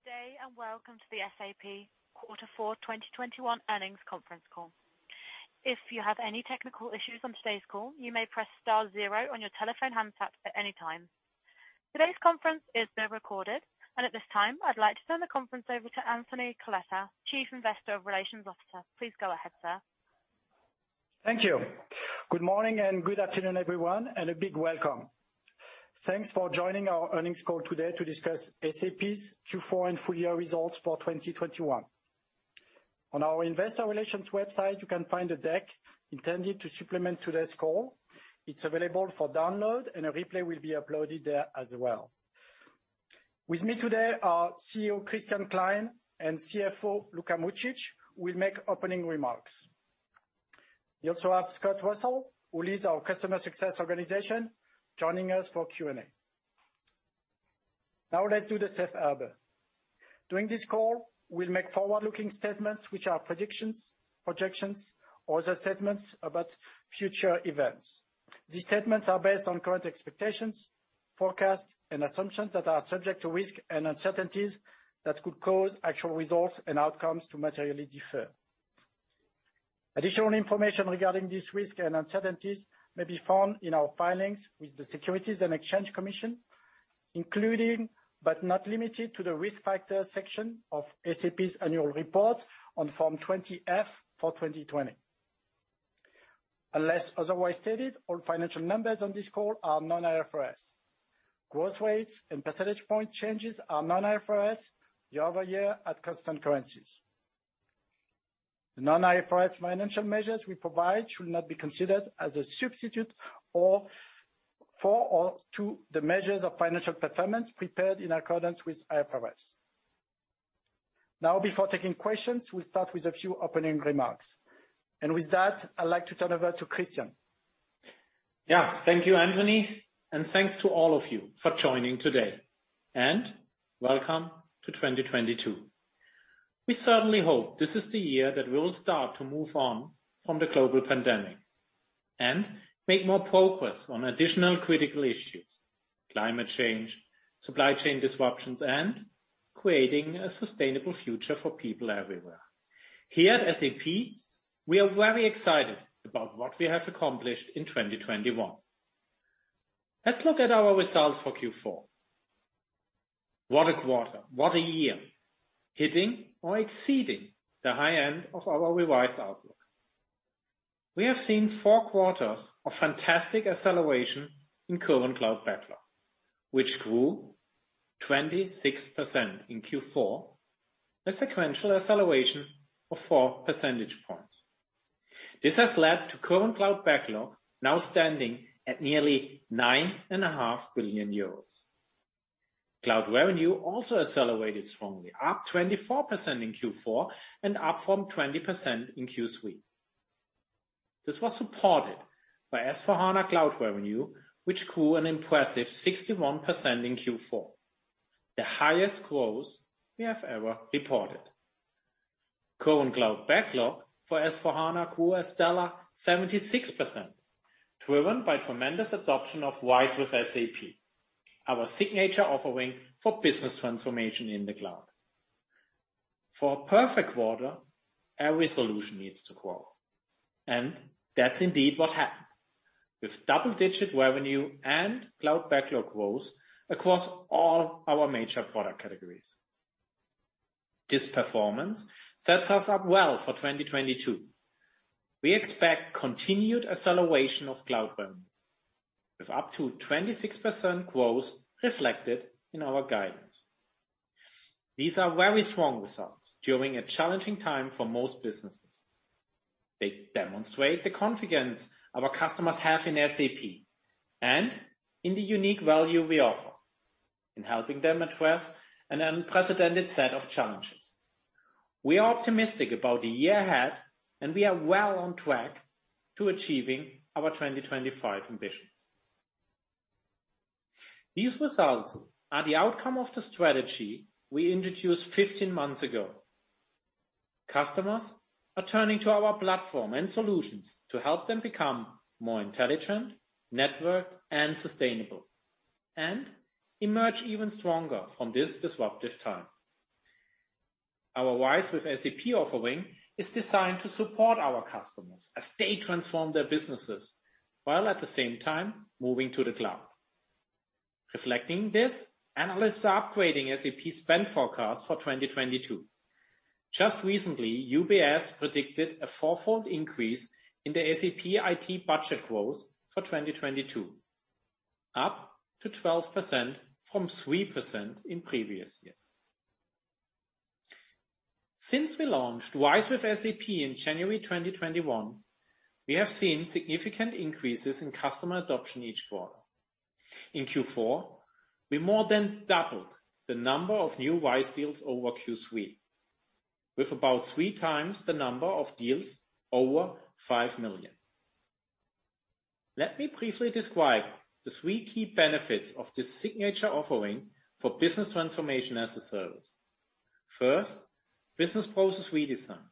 Good day, and welcome to the SAP Quarter 4 2021 Earnings Conference Call. If you have any technical issues on today's call, you may press star zero on your telephone handset at any time. Today's conference is being recorded. At this time, I'd like to turn the conference over to Anthony Coletta, Chief Investor Relations Officer. Please go ahead, sir. Thank you. Good morning and good afternoon, everyone, and a big welcome. Thanks for joining our earnings call today to discuss SAP's Q4 and full-year results for 2021. On our investor relations website, you can find a deck intended to supplement today's call. It's available for download, and a replay will be uploaded there as well. With me today are CEO Christian Klein and CFO Luka Mucic will make opening remarks. We also have Scott Russell, who leads our customer success organization, joining us for Q&A. Now let's do the safe harbor. During this call, we'll make forward-looking statements, which are predictions, projections, or other statements about future events. These statements are based on current expectations, forecasts, and assumptions that are subject to risk and uncertainties that could cause actual results and outcomes to materially differ. Additional information regarding these risks and uncertainties may be found in our filings with the Securities and Exchange Commission, including, but not limited to, the Risk Factors section of SAP's annual report on Form 20-F for 2020. Unless otherwise stated, all financial numbers on this call are non-IFRS. Growth rates and percentage point changes are non-IFRS year-over-year at constant currencies. The non-IFRS financial measures we provide should not be considered as a substitute for the measures of financial performance prepared in accordance with IFRS. Now, before taking questions, we'll start with a few opening remarks. With that, I'd like to turn over to Christian. Yeah. Thank you, Anthony. Thanks to all of you for joining today. Welcome to 2022. We certainly hope this is the year that we will start to move on from the global pandemic and make more progress on additional critical issues, climate change, supply chain disruptions, and creating a sustainable future for people everywhere. Here at SAP, we are very excited about what we have accomplished in 2021. Let's look at our results for Q4. What a quarter, what a year, hitting or exceeding the high end of our revised outlook. We have seen four quarters of fantastic acceleration in Current Cloud Backlog, which grew 26% in Q4, a sequential acceleration of four percentage points. This has led to Current Cloud Backlog now standing at nearly 9.5 billion euros. Cloud revenue also accelerated strongly, up 24% in Q4 and up from 20% in Q3. This was supported by S/4HANA Cloud revenue, which grew an impressive 61% in Q4, the highest growth we have ever reported. Current Cloud Backlog for S/4HANA grew a stellar 76%, driven by tremendous adoption of RISE with SAP, our signature offering for business transformation in the cloud. For a perfect quarter, every solution needs to grow, and that's indeed what happened with double-digit revenue and cloud backlog growth across all our major product categories. This performance sets us up well for 2022. We expect continued acceleration of cloud revenue with up to 26% growth reflected in our guidance. These are very strong results during a challenging time for most businesses. They demonstrate the confidence our customers have in SAP and in the unique value we offer in helping them address an unprecedented set of challenges. We are optimistic about the year ahead, and we are well on track to achieving our 2025 ambitions. These results are the outcome of the strategy we introduced 15 months ago. Customers are turning to our platform and solutions to help them become more intelligent, networked, and sustainable, and emerge even stronger from this disruptive time. Our RISE with SAP offering is designed to support our customers as they transform their businesses while at the same time moving to the cloud. Reflecting this, analysts are upgrading SAP spend forecast for 2022. Just recently, UBS predicted a four-fold increase in the SAP IT budget growth for 2022, up to 12% from 3% in previous years. Since we launched RISE with SAP in January 2021, we have seen significant increases in customer adoption each quarter. In Q4, we more than doubled the number of new RISE deals over Q3, with about three times the number of deals over 5 million. Let me briefly describe the three key benefits of this signature offering for business transformation as a service. First, business process redesign.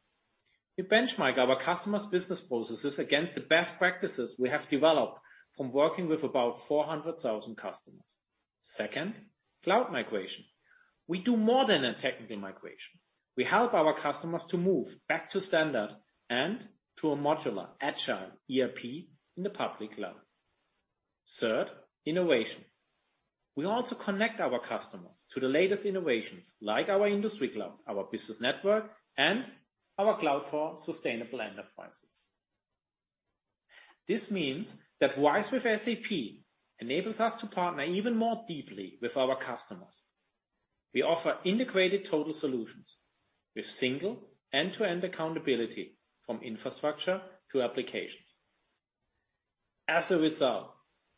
We benchmark our customers' business processes against the best practices we have developed from working with about 400,000 customers. Second, cloud migration. We do more than a technical migration. We help our customers to move back to standard and to a modular, agile ERP in the public cloud. Third, innovation. We also connect our customers to the latest innovations like our SAP Industry Cloud, our SAP Business Network, and our SAP Cloud for Sustainable Enterprises. This means that RISE with SAP enables us to partner even more deeply with our customers. We offer integrated total solutions with single end-to-end accountability from infrastructure to applications. As a result,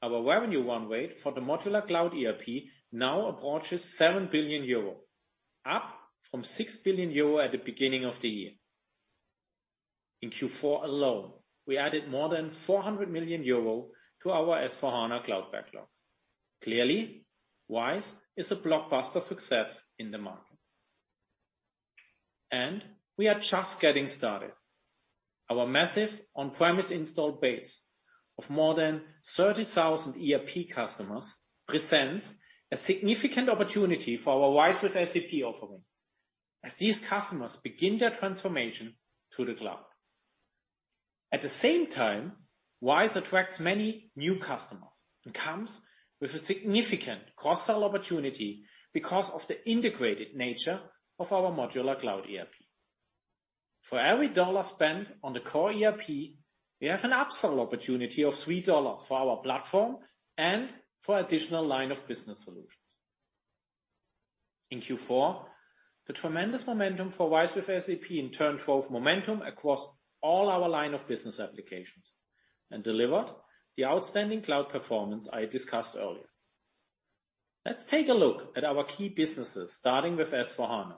our revenue run rate for the Modular Cloud ERP now approaches 7 billion euro, up from 6 billion euro at the beginning of the year. In Q4 alone, we added more than 400 million euro to our S/4HANA Cloud backlog. Clearly, RISE is a blockbuster success in the market. We are just getting started. Our massive on-premise installed base of more than 30,000 ERP customers presents a significant opportunity for our RISE with SAP offering as these customers begin their transformation to the cloud. At the same time, RISE attracts many new customers and comes with a significant cross-sell opportunity because of the integrated nature of our Modular Cloud ERP. For every $1 spent on the core ERP, we have an upsell opportunity of $3 for our platform and for additional line of business solutions. In Q4, the tremendous momentum for RISE with SAP in turn drove momentum across all our line of business applications and delivered the outstanding cloud performance I discussed earlier. Let's take a look at our key businesses starting with S/4HANA.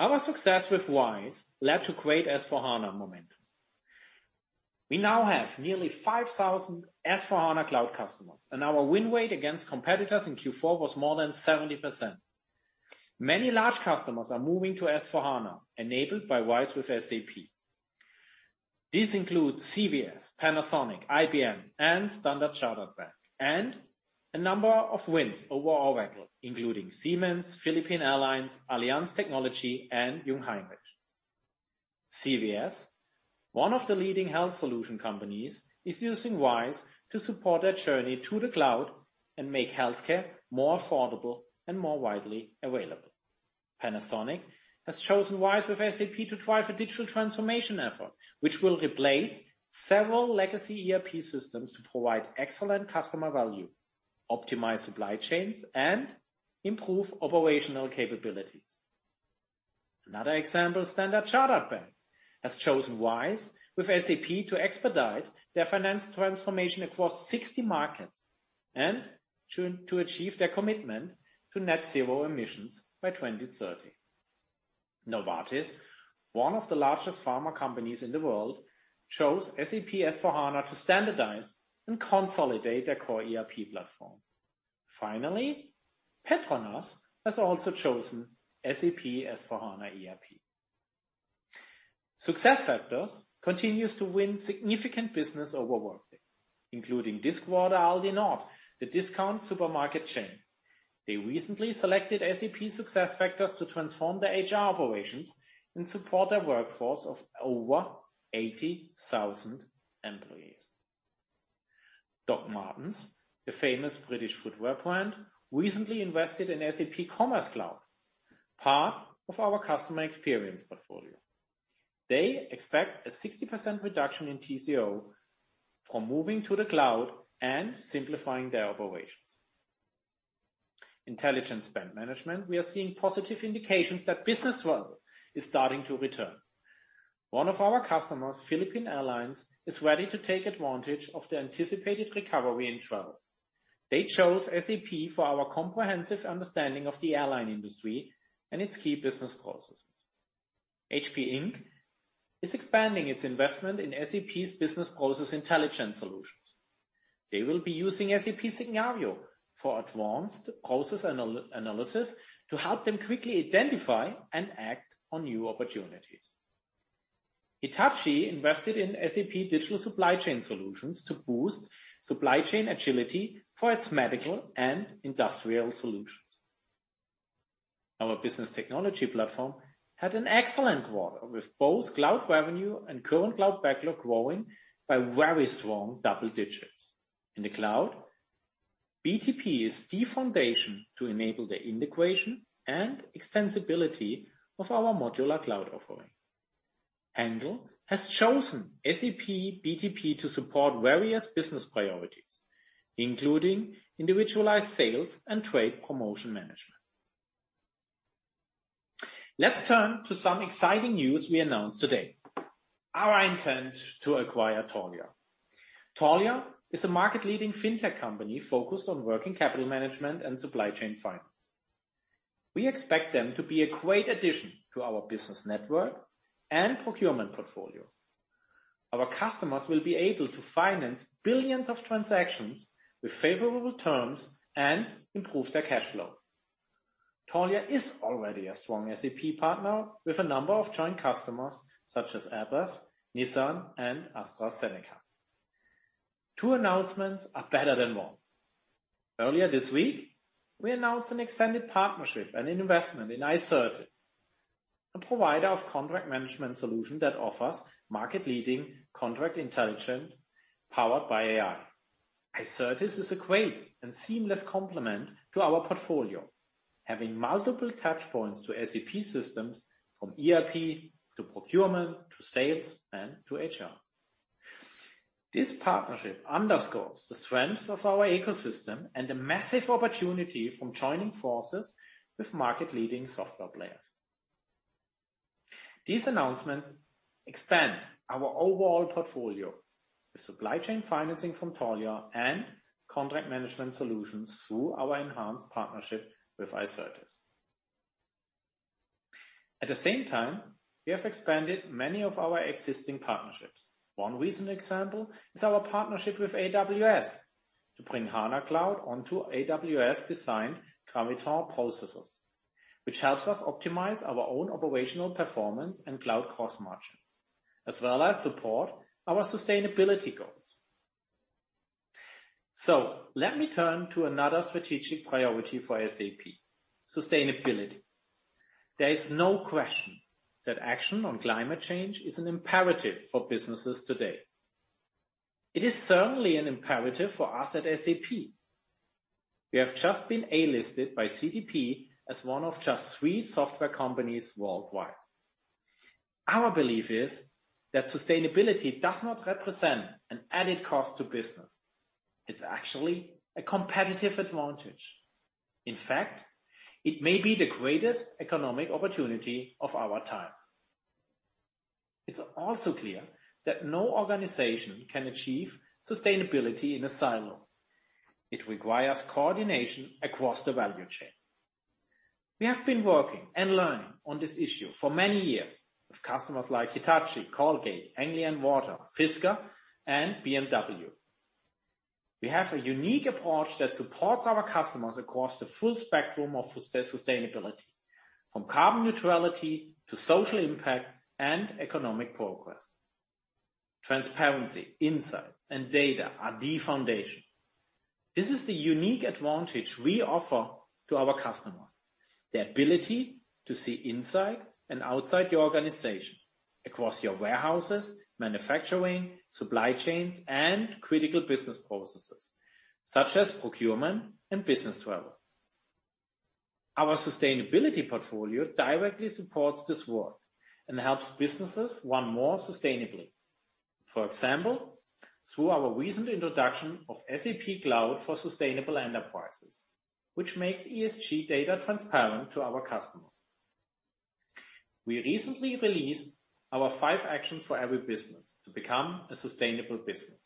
Our success with RISE led to great S/4HANA momentum. We now have nearly 5,000 S/4HANA Cloud customers, and our win rate against competitors in Q4 was more than 70%. Many large customers are moving to S/4HANA enabled by RISE with SAP. These include CVS, Panasonic, IBM, and Standard Chartered Bank, and a number of wins over Oracle, including Siemens, Philippine Airlines, Allianz Technology, and Jungheinrich. CVS, one of the leading healthcare solution companies, is using RISE to support their journey to the cloud and make healthcare more affordable and more widely available. Panasonic has chosen RISE with SAP to drive a digital transformation effort, which will replace several legacy ERP systems to provide excellent customer value, optimize supply chains, and improve operational capabilities. Another example, Standard Chartered Bank has chosen RISE with SAP to expedite their finance transformation across 60 markets and to achieve their commitment to net zero emissions by 2030. Novartis, one of the largest pharma companies in the world, chose SAP S/4HANA to standardize and consolidate their core ERP platform. Finally, Petronas has also chosen SAP S/4HANA ERP. SuccessFactors continues to win significant business over Workday, including discounter Aldi Nord, the discount supermarket chain. They recently selected SAP SuccessFactors to transform their HR operations and support their workforce of over 80,000 employees. Dr. Martens, the famous British footwear brand, recently invested in SAP Commerce Cloud, part of our customer experience portfolio. They expect a 60% reduction in TCO from moving to the cloud and simplifying their operations. Intelligent Spend Management, we are seeing positive indications that business travel is starting to return. One of our customers, Philippine Airlines, is ready to take advantage of the anticipated recovery in travel. They chose SAP for our comprehensive understanding of the airline industry and its key business processes. HP Inc. is expanding its investment in SAP's Business Process Intelligence solutions. They will be using SAP Signavio for advanced process analysis to help them quickly identify and act on new opportunities. Hitachi invested in SAP Digital Supply Chain solutions to boost supply chain agility for its medical and industrial solutions. Our business technology platform had an excellent quarter with both cloud revenue and Current Cloud Backlog growing by very strong double digits. In the cloud, BTP is the foundation to enable the integration and extensibility of our modular cloud offering. ENGEL has chosen SAP BTP to support various business priorities, including individualized sales and trade promotion management. Let's turn to some exciting news we announced today, our intent to acquire Taulia. Taulia is a market-leading fintech company focused on working capital management and supply chain finance. We expect them to be a great addition to our business network and procurement portfolio. Our customers will be able to finance billions of transactions with favorable terms and improve their cash flow. Taulia is already a strong SAP partner with a number of joint customers such as Airbus, Nissan, and AstraZeneca. Two announcements are better than one. Earlier this week, we announced an extended partnership and investment in Icertis, a provider of contract management solution that offers market-leading contract intelligence powered by AI. Icertis is a great and seamless complement to our portfolio, having multiple touchpoints to SAP systems from ERP to procurement, to sales, and to HR. This partnership underscores the strengths of our ecosystem and the massive opportunity from joining forces with market-leading software players. These announcements expand our overall portfolio with supply chain financing from Taulia and contract management solutions through our enhanced partnership with Icertis. At the same time, we have expanded many of our existing partnerships. One recent example is our partnership with AWS to bring HANA Cloud onto AWS-designed Graviton processors, which helps us optimize our own operational performance and cloud cost margins, as well as support our sustainability goals. Let me turn to another strategic priority for SAP, sustainability. There is no question that action on climate change is an imperative for businesses today. It is certainly an imperative for us at SAP. We have just been A-listed by CDP as one of just three software companies worldwide. Our belief is that sustainability does not represent an added cost to business. It's actually a competitive advantage. In fact, it may be the greatest economic opportunity of our time. It's also clear that no organization can achieve sustainability in a silo. It requires coordination across the value chain. We have been working and learning on this issue for many years with customers like Hitachi, Colgate, Anglian Water, Fisker, and BMW. We have a unique approach that supports our customers across the full spectrum of sustainability, from carbon neutrality to social impact and economic progress. Transparency, insights, and data are the foundation. This is the unique advantage we offer to our customers, the ability to see inside and outside your organization across your warehouses, manufacturing, supply chains, and critical business processes, such as procurement and business travel. Our sustainability portfolio directly supports this work and helps businesses run more sustainably. For example, through our recent introduction of SAP Cloud for Sustainable Enterprises, which makes ESG data transparent to our customers. We recently released our five actions for every business to become a sustainable business.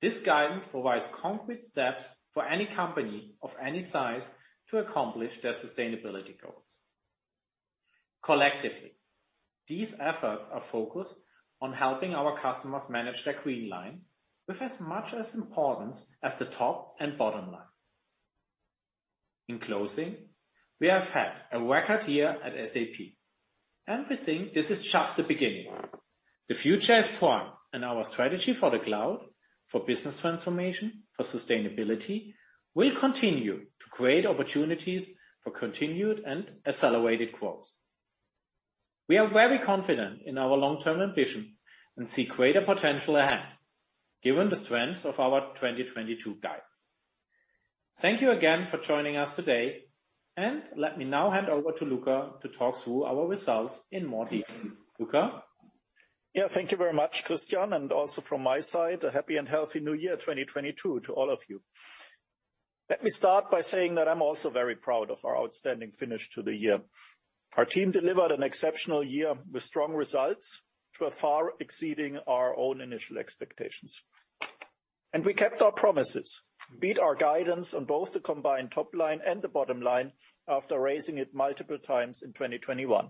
This guidance provides concrete steps for any company of any size to accomplish their sustainability goals. Collectively, these efforts are focused on helping our customers manage their green line with as much importance as the top and bottom line. In closing, we have had a record year at SAP, and we think this is just the beginning. The future is bright and our strategy for the cloud, for business transformation, for sustainability, will continue to create opportunities for continued and accelerated growth. We are very confident in our long-term ambition and see greater potential ahead given the strengths of our 2022 guidance. Thank you again for joining us today, and let me now hand over to Luka to talk through our results in more detail. Luka. Yeah. Thank you very much, Christian, and also from my side, a happy and healthy new year, 2022, to all of you. Let me start by saying that I'm also very proud of our outstanding finish to the year. Our team delivered an exceptional year with strong results that far exceeded our own initial expectations. We kept our promises, beat our guidance on both the combined top line and the bottom line after raising it multiple times in 2021.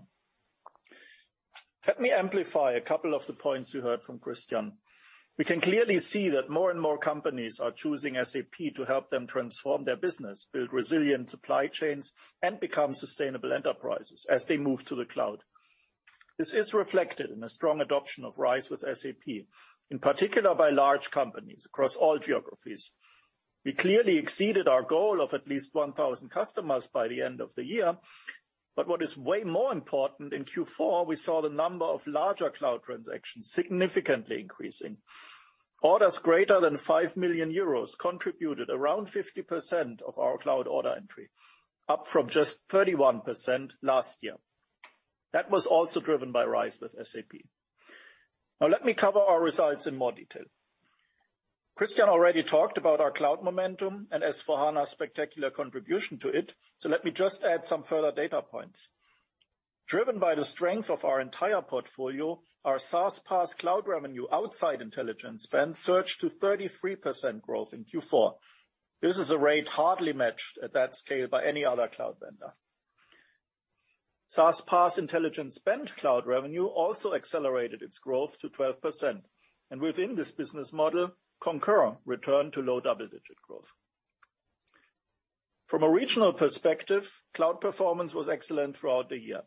Let me amplify a couple of the points you heard from Christian. We can clearly see that more and more companies are choosing SAP to help them transform their business, build resilient supply chains, and become sustainable enterprises as they move to the cloud. This is reflected in a strong adoption of RISE with SAP, in particular by large companies across all geographies. We clearly exceeded our goal of at least 1,000 customers by the end of the year. What is way more important, in Q4, we saw the number of larger cloud transactions significantly increasing. Orders greater than 5 million euros contributed around 50% of our cloud order entry, up from just 31% last year. That was also driven by RISE with SAP. Now let me cover our results in more detail. Christian already talked about our cloud momentum and S/4HANA's spectacular contribution to it, so let me just add some further data points. Driven by the strength of our entire portfolio, our SaaS, PaaS cloud revenue outside Intelligent Spend surged to 33% growth in Q4. This is a rate hardly matched at that scale by any other cloud vendor. SaaS, PaaS, Intelligent Spend cloud revenue also accelerated its growth to 12%. Within this business model, Concur returned to low double-digit growth. From a regional perspective, cloud performance was excellent throughout the year.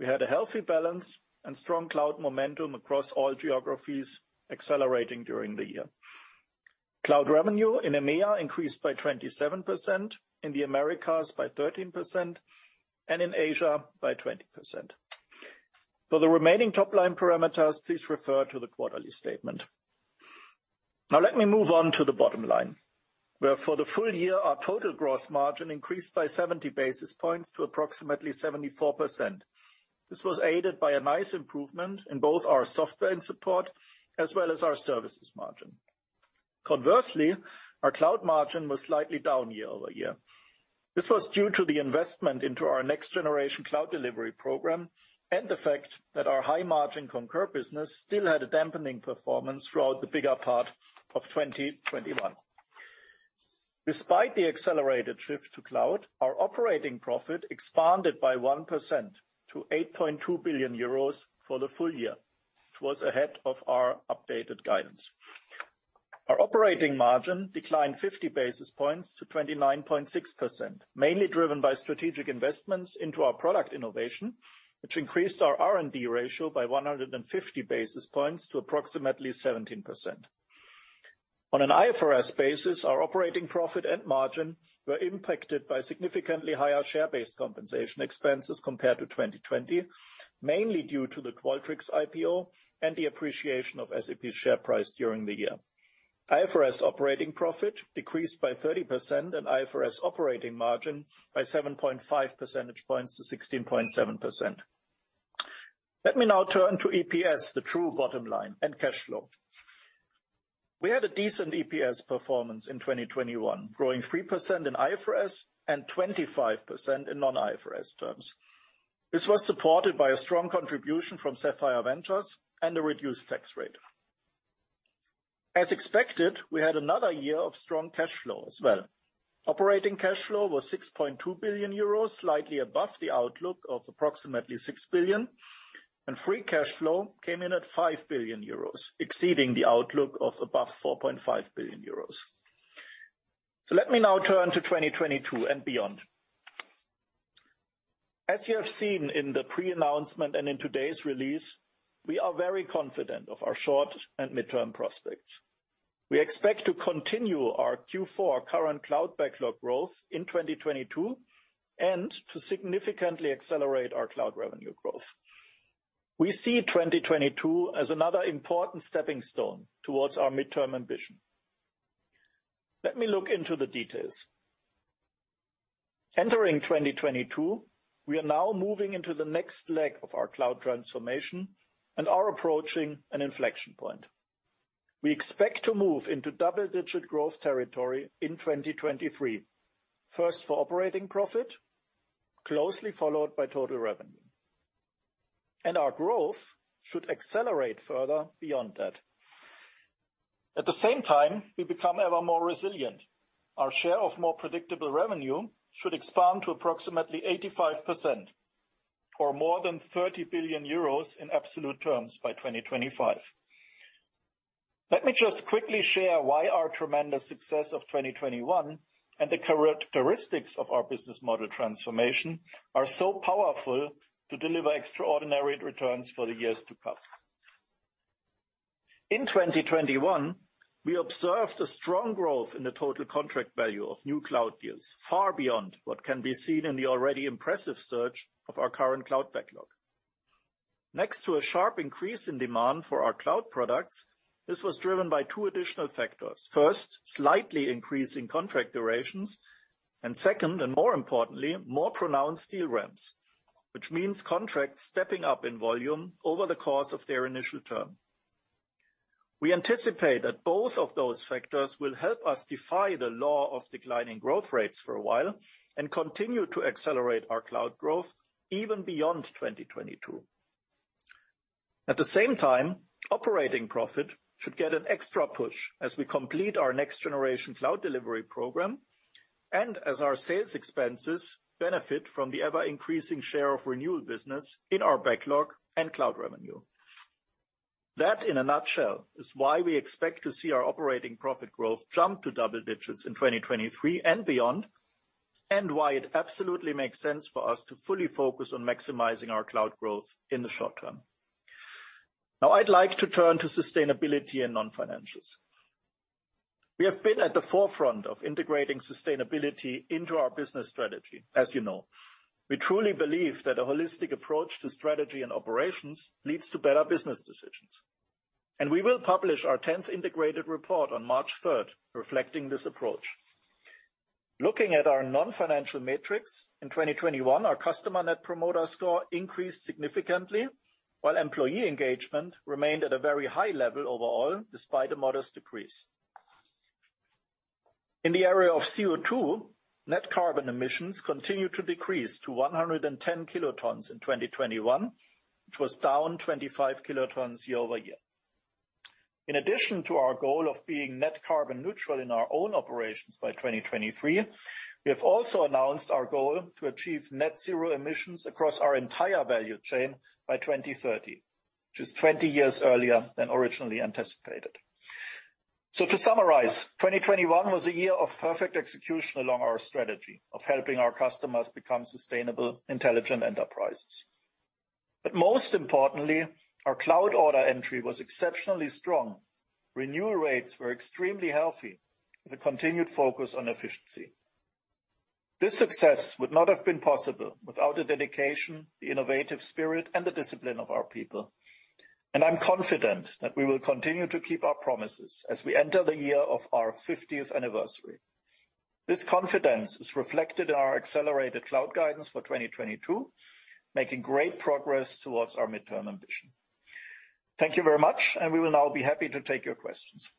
We had a healthy balance and strong cloud momentum across all geographies accelerating during the year. Cloud revenue in EMEA increased by 27%, in the Americas by 13%, and in Asia by 20%. For the remaining top-line parameters, please refer to the quarterly statement. Now let me move on to the bottom line, where for the full year, our total gross margin increased by 70 basis points to approximately 74%. This was aided by a nice improvement in both our software and support, as well as our services margin. Conversely, our cloud margin was slightly down year-over-year. This was due to the investment into our next generation cloud delivery program, and the fact that our high margin Concur business still had a dampening performance throughout the bigger part of 2021. Despite the accelerated shift to cloud, our operating profit expanded by 1% to 8.2 billion euros for the full year, which was ahead of our updated guidance. Our operating margin declined 50 basis points to 29.6%, mainly driven by strategic investments into our product innovation, which increased our R&D ratio by 150 basis points to approximately 17%. On an IFRS basis, our operating profit and margin were impacted by significantly higher share-based compensation expenses compared to 2020, mainly due to the Qualtrics IPO and the appreciation of SAP's share price during the year. IFRS operating profit decreased by 30% and IFRS operating margin by 7.5 percentage points to 16.7%. Let me now turn to EPS, the true bottom line and cash flow. We had a decent EPS performance in 2021, growing 3% in IFRS and 25% in non-IFRS terms. This was supported by a strong contribution from Sapphire Ventures and a reduced tax rate. As expected, we had another year of strong cash flow as well. Operating cash flow was 6.2 billion euros, slightly above the outlook of approximately 6 billion, and free cash flow came in at 5 billion euros, exceeding the outlook of above 4.5 billion euros. Let me now turn to 2022 and beyond. As you have seen in the pre-announcement and in today's release, we are very confident of our short and midterm prospects. We expect to continue our Q4 Current Cloud Backlog growth in 2022, and to significantly accelerate our cloud revenue growth. We see 2022 as another important stepping stone towards our midterm ambition. Let me look into the details. Entering 2022, we are now moving into the next leg of our cloud transformation and are approachi ng an inflection point. We expect to move into double-digit growth territory in 2023, first for operating profit, closely followed by total revenue. Our growth should accelerate further beyond that. At the same time, we become ever more resilient. Our share of more predictable revenue should expand to approximately 85% or more than 30 billion euros in absolute terms by 2025. Let me just quickly share why our tremendous success of 2021 and the characteristics of our business model transformation are so powerful to deliver extraordinary returns for the years to come. In 2021, we observed a strong growth in the total contract value of new cloud deals, far beyond what can be seen in the already impressive surge of our Current Cloud Backlog. Next to a sharp increase in demand for our cloud products, this was driven by two additional factors. First, slight increase in contract durations, and second, and more importantly, more pronounced deal ramps, which means contracts stepping up in volume over the course of their initial term. We anticipate that both of those factors will help us defy the law of declining growth rates for a while and continue to accelerate our cloud growth even beyond 2022. At the same time, operating profit should get an extra push as we complete our next generation cloud delivery program and as our sales expenses benefit from the ever-increasing share of renewal business in our backlog and cloud revenue. That, in a nutshell, is why we expect to see our operating profit growth jump to double digits in 2023 and beyond, and why it absolutely makes sense for us to fully focus on maximizing our cloud growth in the short term. Now I'd like to turn to sustainability and non-financials. We have been at the forefront of integrating sustainability into our business strategy, as you know. We truly believe that a holistic approach to strategy and operations leads to better business decisions. We will publish our tenth integrated report on 3 March 2022 reflecting this approach. Looking at our non-financial matrix, in 2021, our customer net promoter score increased significantly while employee engagement remained at a very high level overall, despite a modest decrease. In the area of CO2, net carbon emissions continued to decrease to 110 kilotons in 2021, which was down 25 kilotons year-over-year. In addition to our goal of being net carbon neutral in our own operations by 2023, we have also announced our goal to achieve net zero emissions across our entire value chain by 2030, which is 20 years earlier than originally anticipated. To summarize, 2021 was a year of perfect execution along our strategy of helping our customers become sustainable, intelligent enterprises. Most importantly, our cloud order entry was exceptionally strong. Renewal rates were extremely healthy with a continued focus on efficiency. This success would not have been possible without the dedication, the innovative spirit, and the discipline of our people. I'm confident that we will continue to keep our promises as we enter the year of our fiftieth anniversary. This confidence is reflected in our accelerated cloud guidance for 2022, making great progress towards our midterm ambition. Thank you very much, and we will now be happy to take your questions.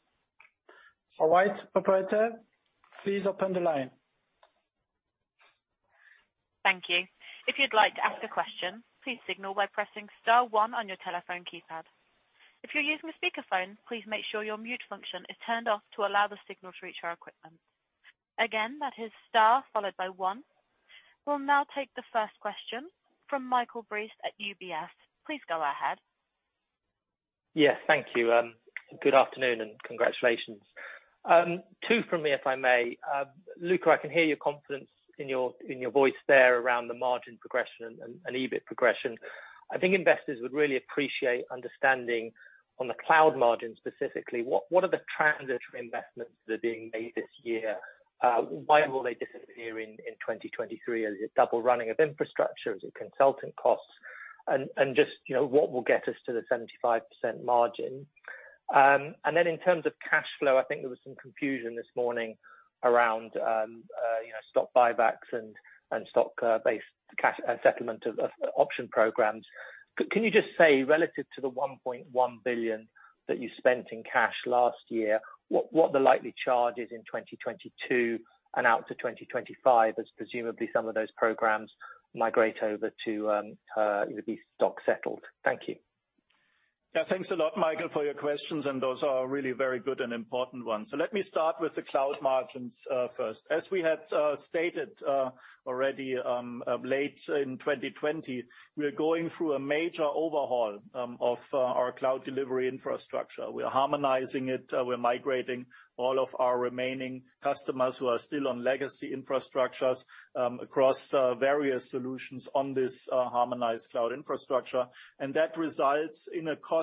All right, operator, please open the line. Thank you. If you'd like to ask a question, please signal by pressing star one on your telephone keypad. If you're using a speakerphone, please make sure your mute function is turned off to allow the signal to reach our equipment. Again, that is star followed by one. We'll now take the first question from Michael Briest at UBS. Please go ahead. Yes, thank you. Good afternoon and congratulations. Two from me, if I may. Luka, I can hear your confidence in your voice there around the margin progression and EBIT progression. I think investors would really appreciate understanding on the cloud margin specifically, what are the transitory investments that are being made this year? Why will they disappear in 2023? Is it double running of infrastructure? Is it consulting costs? And just, you know, what will get us to the 75% margin? And then in terms of cash flow, I think there was some confusion this morning around, you know, stock buybacks and stock based cash settlement of option programs. Can you just say, relative to the 1.1 billion that you spent in cash last year, what the likely charge is in 2022 and out to 2025 as presumably some of those programs migrate over to, you know, be stock settled? Thank you. Yeah, thanks a lot, Michael, for your questions, and those are really very good and important ones. Let me start with the cloud margins first. As we had stated already late in 2020, we are going through a major overhaul of our cloud delivery infrastructure. We are harmonizing it. We're migrating all of our remaining customers who are still on legacy infrastructures across various solutions on this harmonized cloud infrastructure. That results in a cost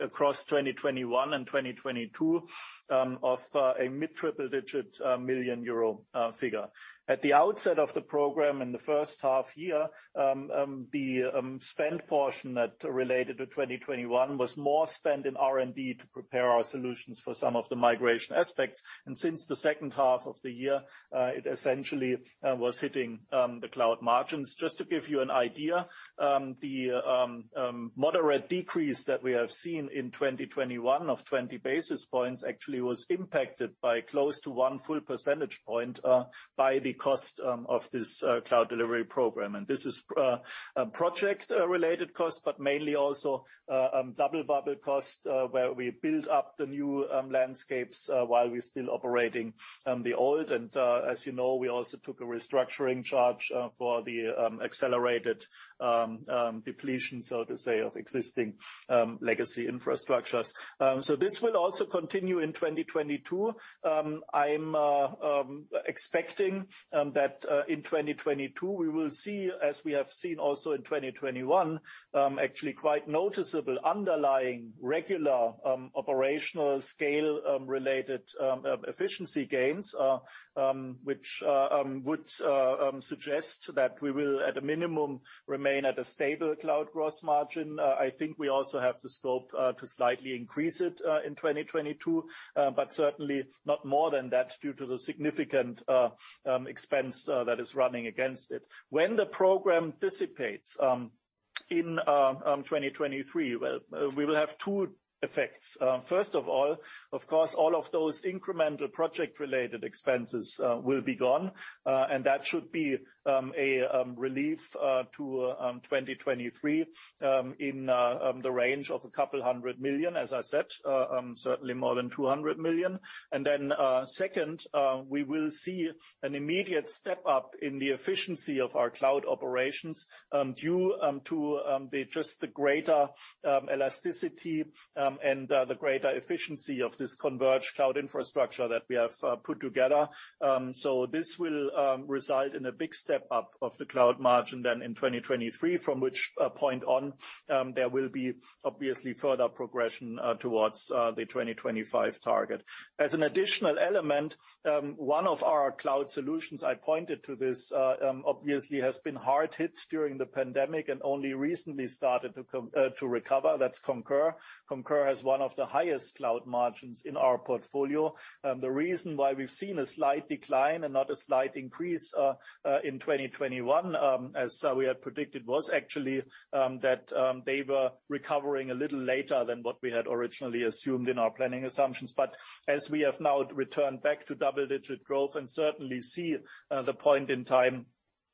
across 2021 and 2022 of a mid triple-digit million EUR figure. At the outset of the program in the first half year, the spend portion that related to 2021 was more spent in R&D to prepare our solutions for some of the migration aspects. Since the second half of the year, it essentially was hitting the cloud margins. Just to give you an idea, the moderate decrease that we have seen in 2021 of 20 basis points actually was impacted by close to 1 full percentage point by the cost of this cloud delivery program. This is a project related cost, but mainly also double bubble cost, where we build up the new landscapes while we're still operating the old. As you know, we also took a restructuring charge for the accelerated depletion, so to say, of existing legacy infrastructures. This will also continue in 2022. I'm expecting that in 2022, we will see, as we have seen also in 2021, actually quite noticeable underlying regular operational scale-related efficiency gains, which would suggest that we will at a minimum remain at a stable cloud gross margin. I think we also have the scope to slightly increase it in 2022, but certainly not more than that due to the significant expense that is running against it. When the program dissipates in 2023, we will have two effects. First of all, of course, all of those incremental project-related expenses will be gone, and that should be a relief in 2023 in the range of 200 million, as I said, certainly more than 200 million. Second, we will see an immediate step up in the efficiency of our cloud operations due to just the greater elasticity and the greater efficiency of this converged cloud infrastructure that we have put together. This will result in a big step up in the cloud margin in 2023, from which point on there will be obviously further progression towards the 2025 target. As an additional element, one of our cloud solutions I pointed to this, obviously has been hard hit during the pandemic and only recently started to recover. That's Concur. Concur has one of the highest cloud margins in our portfolio. The reason why we've seen a slight decline and not a slight increase in 2021, as we had predicted, was actually that they were recovering a little later than what we had originally assumed in our planning assumptions. As we have now returned back to double-digit growth and certainly see the point in time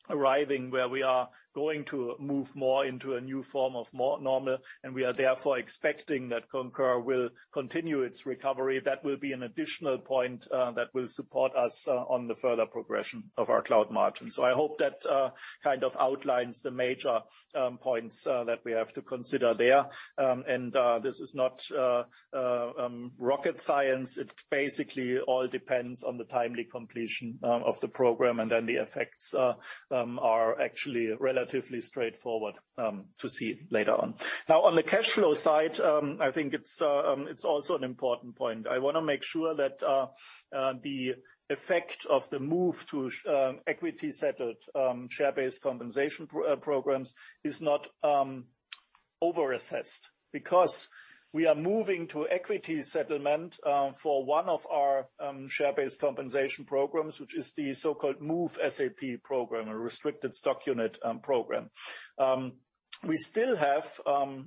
arriving where we are going to move more into a new form of more normal, we are therefore expecting that Concur will continue its recovery. That will be an additional point that will support us on the further progression of our cloud margin. I hope that kind of outlines the major points that we have to consider there. This is not rocket science. It basically all depends on the timely completion of the program, and then the effects are actually relatively straightforward to see later on. Now, on the cash flow side, I think it's also an important point. I want to make sure that the effect of the move to equity-settled share-based compensation programs is not over-assessed, because we are moving to equity settlement for one of our share-based compensation programs, which is the so-called Move SAP program, a restricted stock unit program. We still have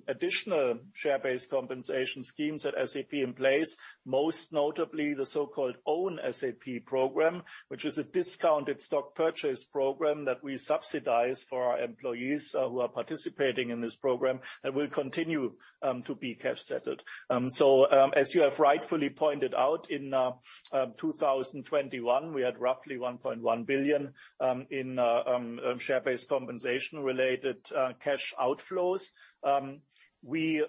additional share-based compensation schemes at SAP in place, most notably the so-called Own SAP program, which is a discounted stock purchase program that we subsidize for our employees who are participating in this program that will continue to be cash-settled. As you have rightfully pointed out, in 2021, we had roughly 1.1 billion in share-based compensation related cash outflows. We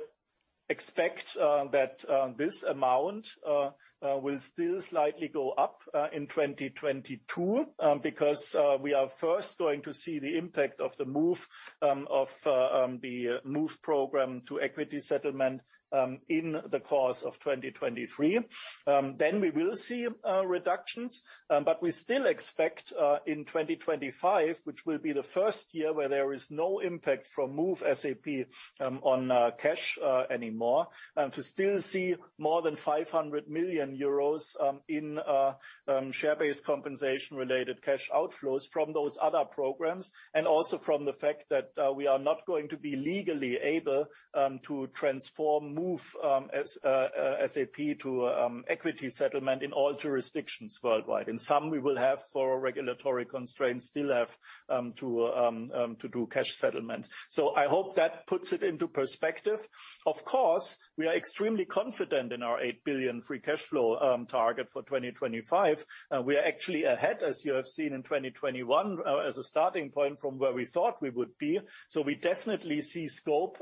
expect that this amount will still slightly go up in 2022 because we are first going to see the impact of the move of the Move SAP program to equity settlement in the course of 2023. We will see reductions, but we still expect in 2025, which will be the first year where there is no impact from Move SAP on cash anymore, to still see more than 500 million euros in share-based compensation related cash outflows from those other programs, and also from the fact that we are not going to be legally able to transform Move SAP to equity settlement in all jurisdictions worldwide. In some, we will have, for regulatory constraints, still have to do cash settlements. I hope that puts it into perspective. Of course, we are extremely confident in our 8 billion free cash flow target for 2025. We are actually ahead, as you have seen in 2021, as a starting point from where we thought we would be. So we definitely see scope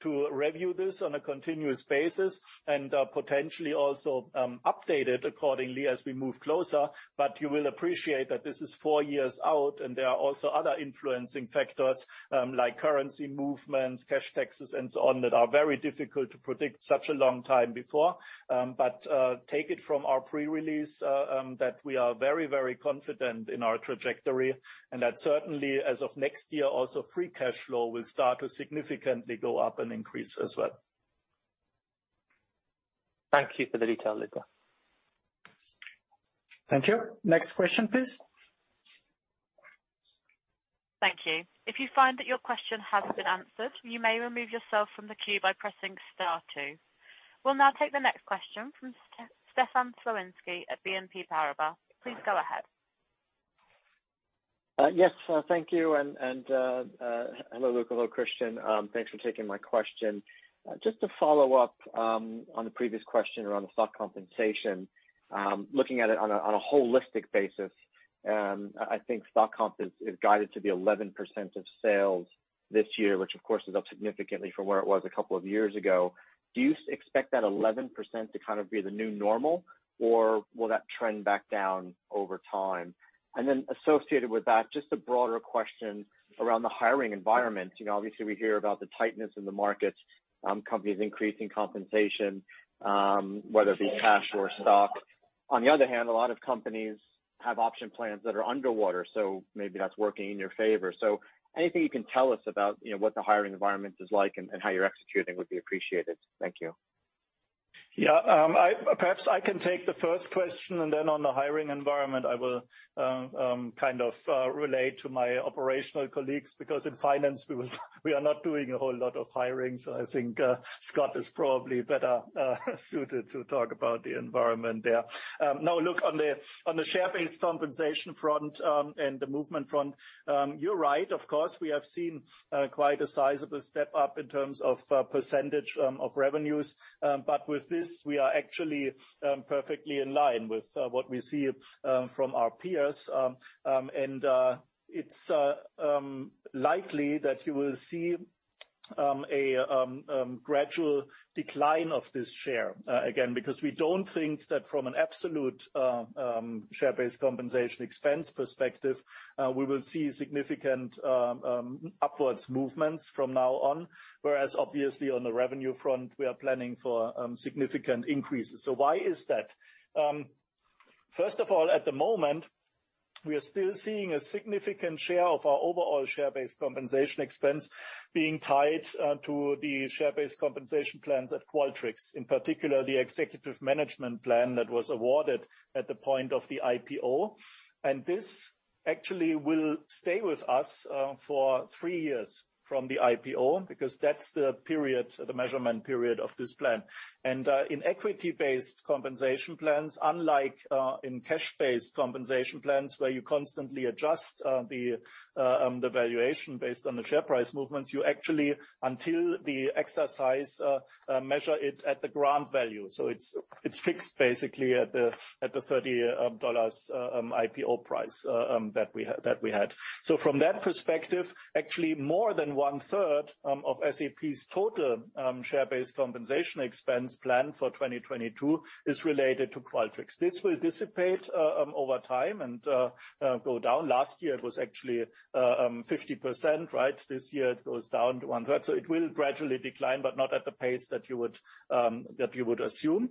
to review this on a continuous basis and, potentially also, update it accordingly as we move closer. But you will appreciate that this is four years out, and there are also other influencing factors, like currency movements, cash taxes, and so on, that are very difficult to predict such a long time before. Take it from our pre-release, that we are very, very confident in our trajectory, and that certainly as of next year also, free cash flow will start to significantly go up and increase as well. Thank you for the detail, Luka. Thank you. Next question, please. Thank you. If you find that your question has been answered, you may remove yourself from the queue by pressing star two. We'll now take the next question from Stefan Slowinski at BNP Paribas. Please go ahead. Yes. Thank you. Hello, Luka. Hello, Christian. Thanks for taking my question. Just to follow up on the previous question around the stock compensation, looking at it on a holistic basis, I think stock comp is guided to be 11% of sales this year, which of course is up significantly from where it was a couple of years ago. Do you expect that 11% to kind of be the new normal, or will that trend back down over time? Then associated with that, just a broader question around the hiring environment. You know, obviously we hear about the tightness in the markets, companies increasing compensation, whether it be cash or stock. On the other hand, a lot of companies have option plans that are underwater, so maybe that's working in your favor. Anything you can tell us about, you know, what the hiring environment is like and how you're executing would be appreciated. Thank you. Perhaps I can take the first question, and then on the hiring environment, I will relay to my operational colleagues, because in finance, we are not doing a whole lot of hiring. I think Scott is probably better suited to talk about the environment there. Now look on the share-based compensation front, and the movement front, you're right. Of course, we have seen quite a sizable step up in terms of percentage of revenues, but with this, we are actually perfectly in line with what we see from our peers. It's likely that you will see a gradual decline of this share again, because we don't think that from an absolute share-based compensation expense perspective, we will see significant upwards movements from now on. Whereas obviously on the revenue front, we are planning for significant increases. Why is that? First of all, at the moment we are still seeing a significant share of our overall share-based compensation expense being tied to the share-based compensation plans at Qualtrics, in particular, the executive management plan that was awarded at the point of the IPO. This actually will stay with us for three years from the IPO because that's the period, the measurement period of this plan. In equity-based compensation plans, unlike in cash-based compensation plans, where you constantly adjust the valuation based on the share price movements, you actually, until the exercise, measure it at the grant value. It's fixed basically at the $30 IPO price that we had. From that perspective, actually more than one-third of SAP's total share-based compensation expense plan for 2022 is related to Qualtrics. This will dissipate over time and go down. Last year, it was actually 50%, right? This year, it goes down to one-third. It will gradually decline, but not at the pace that you would assume.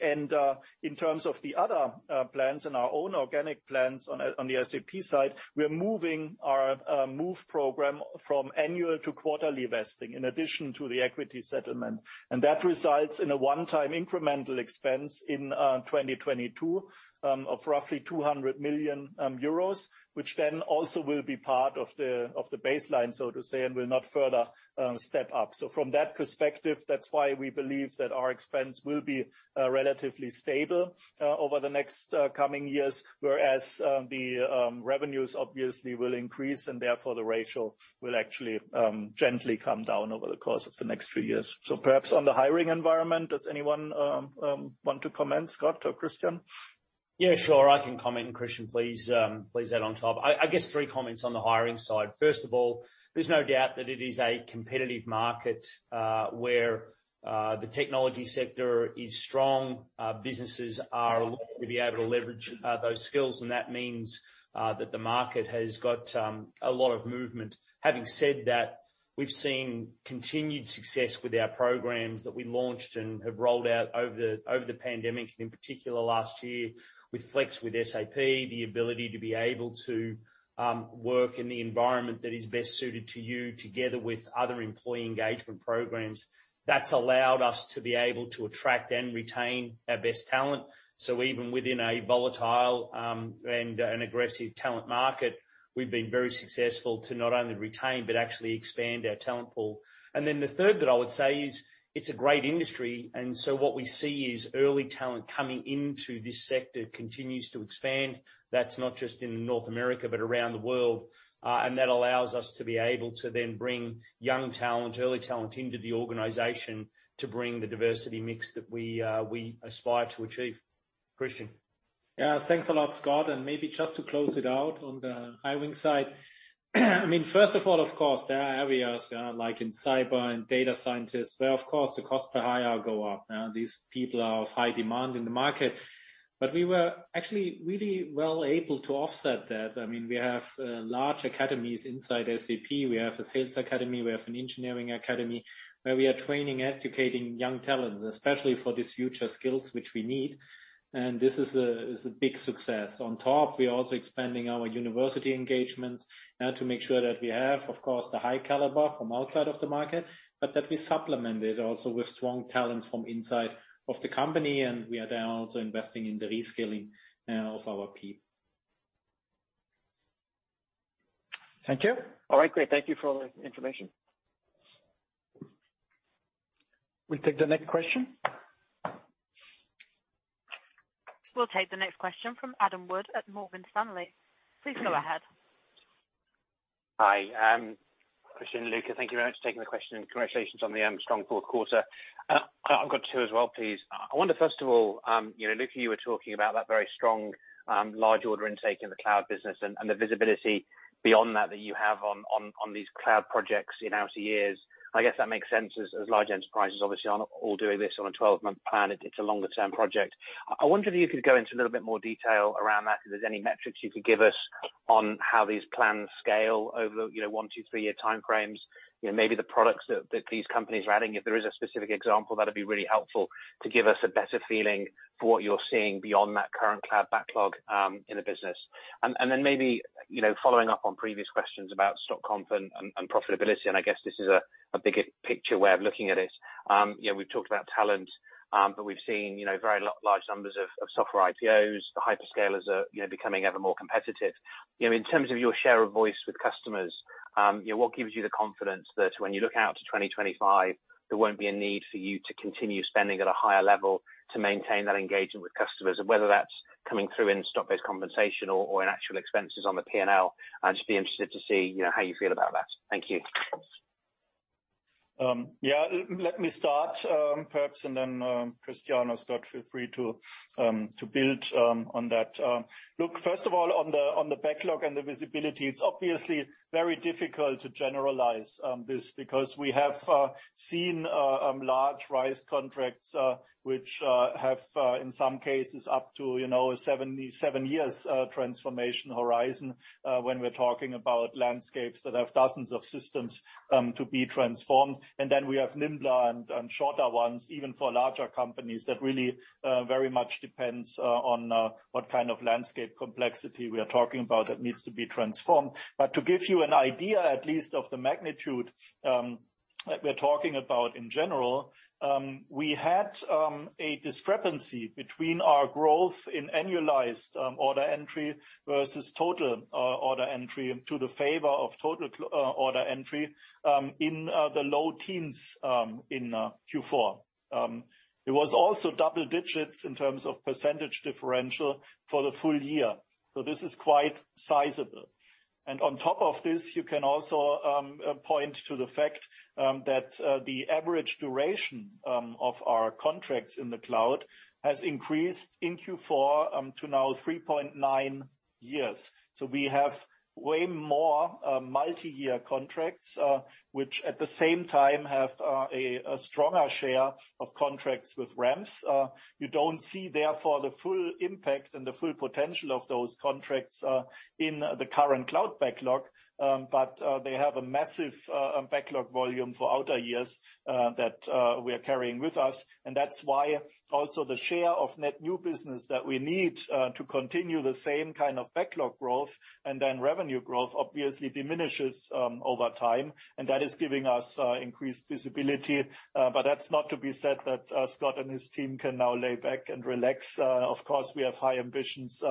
In terms of the other plans and our own organic plans on the SAP side, we are moving our Move program from annual to quarterly vesting, in addition to the equity settlement. That results in a one-time incremental expense in 2022 of roughly 200 million euros, which then also will be part of the baseline, so to say, and will not further step up. From that perspective, that's why we believe that our expense will be relatively stable over the next coming years, whereas the revenues obviously will increase, and therefore, the ratio will actually gently come down over the course of the next few years. Perhaps on the hiring environment, does anyone want to comment, Scott or Christian? Yeah, sure. I can comment, and Christian, please add on top. I guess three comments on the hiring side. First of all, there's no doubt that it is a competitive market, where the technology sector is strong. Businesses are able to leverage those skills, and that means that the market has got a lot of movement. Having said that, we've seen continued success with our programs that we launched and have rolled out over the pandemic, and in particular last year with Pledge to Flex, the ability to be able to work in the environment that is best suited to you together with other employee engagement programs. That's allowed us to be able to attract and retain our best talent. Even within a volatile, and an aggressive talent market, we've been very successful to not only retain but actually expand our talent pool. The third that I would say is it's a great industry, and so what we see is early talent coming into this sector continues to expand. That's not just in North America but around the world. That allows us to be able to then bring young talent, early talent into the organization to bring the diversity mix that we aspire to achieve. Christian. Yeah. Thanks a lot, Scott. Maybe just to close it out on the hiring side. I mean, first of all, of course, there are areas, like in cyber and data scientists, where, of course, the cost per hire go up. These people are of high demand in the market. But we were actually really well able to offset that. I mean, we have large academies inside SAP. We have a sales academy, we have an engineering academy, where we are training, educating young talents, especially for these future skills which we need. This is a big success. On top, we are also expanding our university engagements to make sure that we have, of course, the high caliber from outside of the market, but that we supplement it also with strong talent from inside of the company, and we are then also investing in the reskilling of our people. Thank you. All right. Great. Thank you for all the information. We'll take the next question. We'll take the next question from Adam Wood at Morgan Stanley. Please go ahead. Hi. Christian, Luka, thank you very much for taking the question, and congratulations on the strong fourth quarter. I've got two as well, please. I wonder, first of all, you know, Luka, you were talking about that very strong large order intake in the cloud business and the visibility beyond that that you have on these cloud projects in outer years. I guess that makes sense as large enterprises obviously aren't all doing this on a twelve-month plan. It's a longer-term project. I wonder if you could go into a little bit more detail around that. If there's any metrics you could give us on how these plans scale over the, you know, one, two, three-year time frames. You know, maybe the products that these companies are adding. If there is a specific example, that'd be really helpful to give us a better feeling for what you're seeing beyond that Current Cloud Backlog, in the business. Then maybe, you know, following up on previous questions about stock comp and profitability, and I guess this is a bigger picture way of looking at it. You know, we've talked about talent, but we've seen, you know, very large numbers of software IPOs. The hyperscalers are, you know, becoming ever more competitive. You know, in terms of your share of voice with customers, you know, what gives you the confidence that when you look out to 2025, there won't be a need for you to continue spending at a higher level to maintain that engagement with customers? Whether that's coming through in stock-based compensation or in actual expenses on the P&L, I'd just be interested to see, you know, how you feel about that. Thank you. Yeah. Let me start, perhaps, and then, Christian or Scott, feel free to build on that. Look, first of all, on the backlog and the visibility, it's obviously very difficult to generalize this because we have seen large RISE contracts, which have, in some cases up to, you know, 7 years transformation horizon, when we're talking about landscapes that have dozens of systems to be transformed. Then we have nimbler and shorter ones, even for larger companies, that really very much depends on what kind of landscape complexity we are talking about that needs to be transformed. To give you an idea, at least of the magnitude. That we're talking about in general, we had a discrepancy between our growth in annualized order entry versus total order entry into the favor of total order entry in the low teens in Q4. It was also double digits in terms of percentage differential for the full year. This is quite sizable. On top of this, you can also point to the fact that the average duration of our contracts in the cloud has increased in Q4 to now 3.9 years. We have way more multi-year contracts which at the same time have a stronger share of contracts with ramps. You don't see therefore the full impact and the full potential of those contracts in the Current Cloud Backlog, but they have a massive backlog volume for outer years that we are carrying with us. That's why also the share of net new business that we need to continue the same kind of backlog growth and then revenue growth obviously diminishes over time, and that is giving us increased visibility. That's not to be said that Scott and his team can now lay back and relax. Of course, we have high ambitions.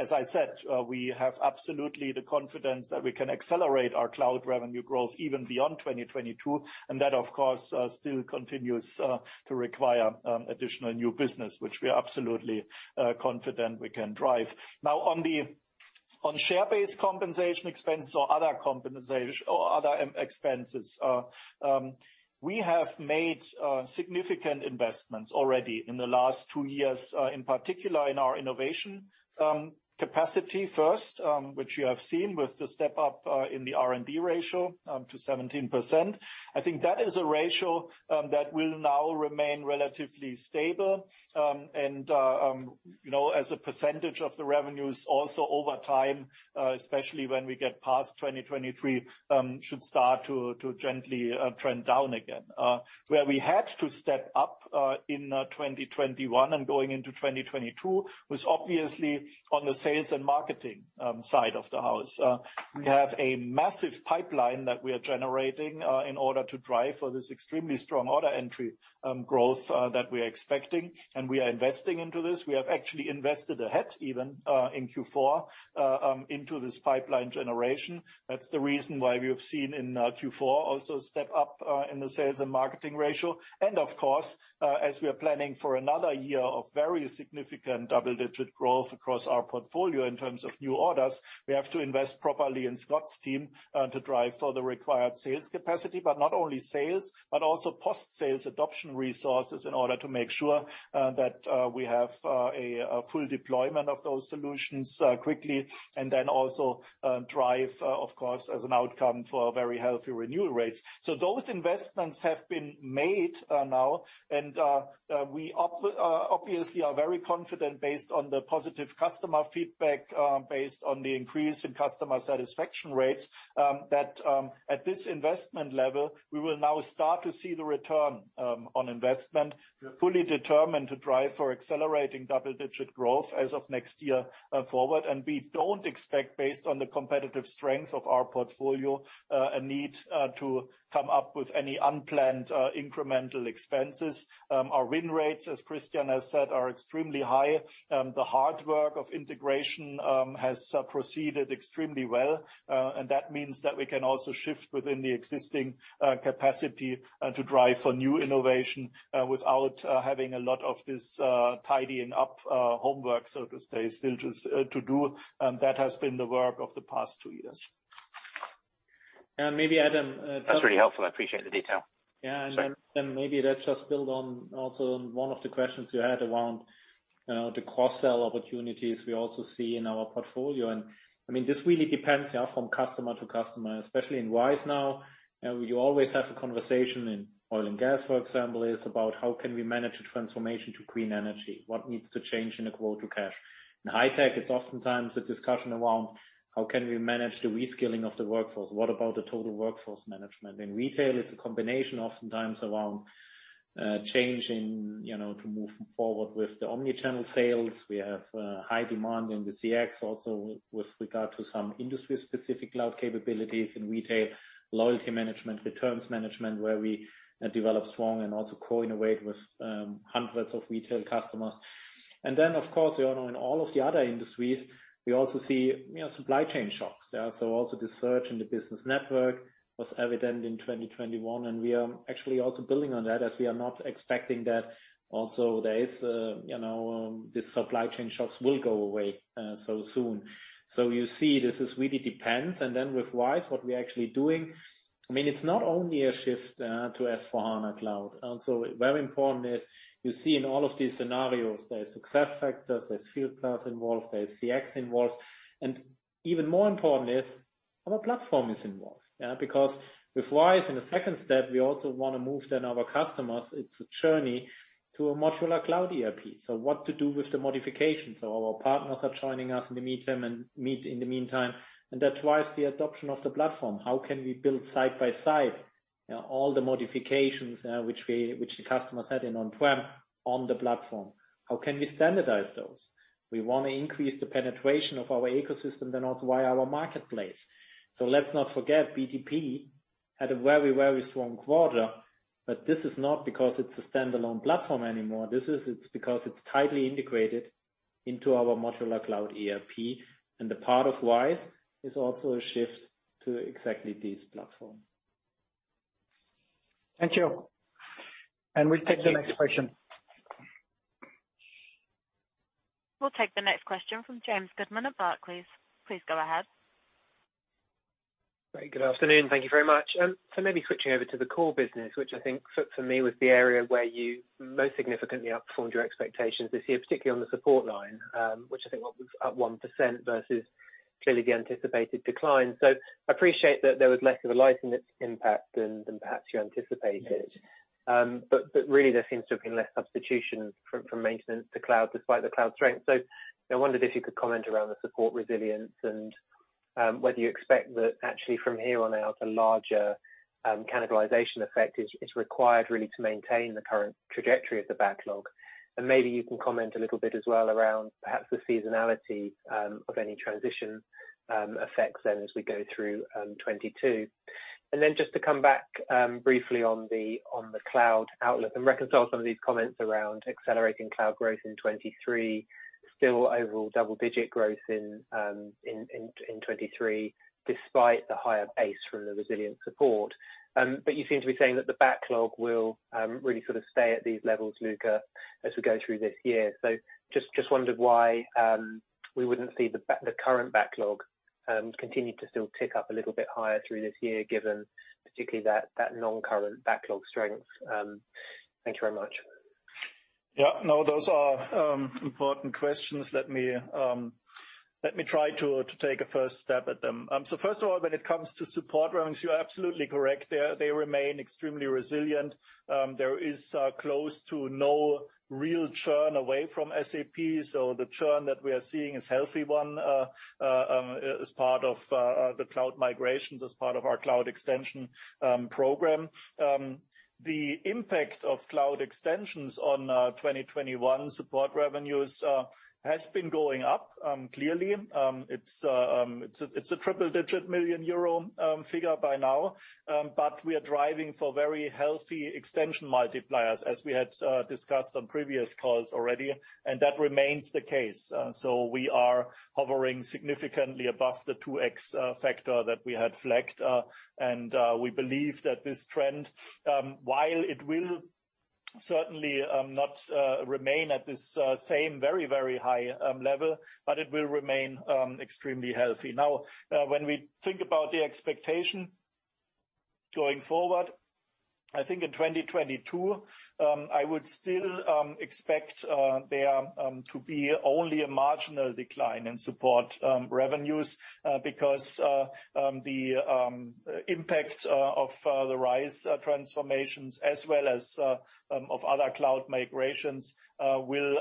As I said, we have absolutely the confidence that we can accelerate our cloud revenue growth even beyond 2022, and that of course still continues to require additional new business, which we are absolutely confident we can drive. Now on share-based compensation expense or other expenses, we have made significant investments already in the last two years, in particular in our innovation capacity first, which you have seen with the step up in the R&D ratio to 17%. I think that is a ratio that will now remain relatively stable, and you know, as a percentage of the revenues also over time, especially when we get past 2023, should start to gently trend down again. Where we had to step up in 2021 and going into 2022 was obviously on the sales and marketing side of the house. We have a massive pipeline that we are generating in order to drive for this extremely strong order entry growth that we are expecting, and we are investing into this. We have actually invested ahead even in Q4 into this pipeline generation. That's the reason why we have seen in Q4 also step up in the sales and marketing ratio. Of course, as we are planning for another year of very significant double-digit growth across our portfolio in terms of new orders, we have to invest properly in Scott's team to drive for the required sales capacity, but not only sales, but also post-sales adoption resources in order to make sure that we have a full deployment of those solutions quickly, and then also drive, of course, as an outcome for very healthy renewal rates. Those investments have been made now, and we obviously are very confident based on the positive customer feedback, based on the increase in customer satisfaction rates, that at this investment level, we will now start to see the return on investment, fully determined to drive for accelerating double-digit growth as of next year forward. We don't expect based on the competitive strength of our portfolio, a need to come up with any unplanned incremental expenses. Our win rates, as Christian has said, are extremely high. The hard work of integration has proceeded extremely well, and that means that we can also shift within the existing capacity to drive for new innovation, without having a lot of this tidying up homework, so to say, still just to do. That has been the work of the past two years. Yeah. Maybe Adam, That's really helpful. I appreciate the detail. Maybe let's just build on one of the questions you had around the cross-sell opportunities we also see in our portfolio. I mean, this really depends from customer to customer, especially in RISE now. You know, you always have a conversation in oil and gas, for example, is about how can we manage the transformation to clean energy. What needs to change in the quote to cash? In high tech, it's oftentimes a discussion around how can we manage the reskilling of the workforce. What about the total workforce management? In retail, it's a combination oftentimes around changing, you know, to move forward with the omnichannel sales. We have high demand in the CX also with regard to some industry-specific cloud capabilities in retail, loyalty management, returns management, where we develop strong and also co-innovate with hundreds of retail customers. Of course, you know, in all of the other industries, we also see, you know, supply chain shocks. Also the surge in the business network was evident in 2021, and we are actually also building on that as we are not expecting that also there is, you know, the supply chain shocks will go away so soon. You see, this really depends. With RISE, what we're actually doing, I mean, it's not only a shift to S/4HANA Cloud. Also very important is, you see, in all of these scenarios, there is SuccessFactors, there's Fieldglass involved, there's CX involved. Even more important is our platform is involved. Yeah. With RISE in the second step, we also wanna move then our customers. It's a journey to a Modular Cloud ERP. What to do with the modifications? Our partners are joining us in the meantime, and that drives the adoption of the platform. How can we build side by side all the modifications which the customers had in on-prem on the platform? How can we standardize those? We want to increase the penetration of our ecosystem, then also via our marketplace. Let's not forget BTP had a very, very strong quarter, but this is not because it's a standalone platform anymore. This is because it's tightly integrated into our Modular Cloud ERP, and the part of RISE is also a shift to exactly this platform. Thank you. We take the next question. We'll take the next question from James Goodman at Barclays. Please go ahead. Very good afternoon. Thank you very much. Maybe switching over to the core business, which I think for me was the area where you most significantly outperformed your expectations this year, particularly on the support line, which I think was up 1% versus clearly the anticipated decline. I appreciate that there was less of a licensing impact than perhaps you anticipated. Really there seems to have been less substitution from maintenance to cloud despite the cloud strength. I wondered if you could comment around the support resilience and whether you expect that actually from here on out, a larger cannibalization effect is required really to maintain the current trajectory of the backlog. Maybe you can comment a little bit as well around perhaps the seasonality of any transition effects then as we go through 2022. Just to come back briefly on the cloud outlook and reconcile some of these comments around accelerating cloud growth in 2023, still overall double-digit growth in 2023, despite the higher pace from the resilient support. You seem to be saying that the backlog will really sort of stay at these levels, Luka, as we go through this year. Just wondered why we wouldn't see the current backlog continue to still tick up a little bit higher through this year, given particularly that non-current backlog strength. Thank you very much. Yeah. No, those are important questions. Let me try to take a first stab at them. First of all, when it comes to support revenues, you are absolutely correct. They remain extremely resilient. There is close to no real churn away from SAP, so the churn that we are seeing is healthy one, as part of the cloud migrations, as part of our cloud extension program. The impact of cloud extensions on 2021 support revenues has been going up clearly. It's a triple-digit million EUR figure by now, but we are driving for very healthy extension multipliers, as we had discussed on previous calls already, and that remains the case. We are hovering significantly above the 2x factor that we had flagged. We believe that this trend, while it will certainly not remain at this same very, very high level, but it will remain extremely healthy. Now, when we think about the expectation going forward, I think in 2022, I would still expect there to be only a marginal decline in support revenues, because the impact of the RISE transformations as well as of other cloud migrations will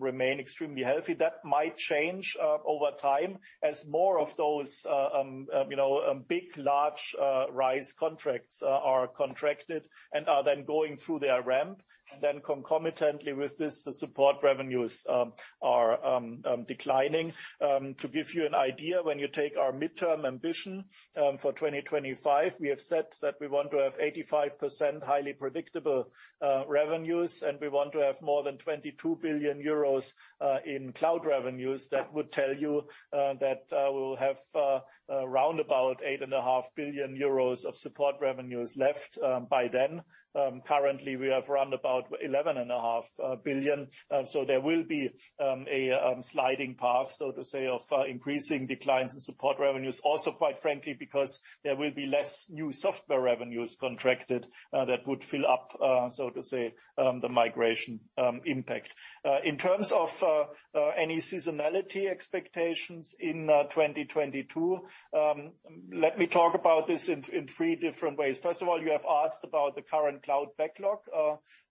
remain extremely healthy. That might change over time as more of those, you know, big, large, RISE contracts are contracted and are then going through their ramp, and then concomitantly with this, the support revenues are declining. To give you an idea, when you take our midterm ambition for 2025, we have said that we want to have 85% highly predictable revenues, and we want to have more than 22 billion euros in cloud revenues. That would tell you that we will have around about 8.5 billion euros of support revenues left by then. Currently, we have around about 11.5 billion. There will be a sliding path, so to say, of increasing declines in support revenues. Also, quite frankly, because there will be less new software revenues contracted, that would fill up, so to say, the migration impact. In terms of any seasonality expectations in 2022, let me talk about this in three different ways. First of all, you have asked about the Current Cloud Backlog,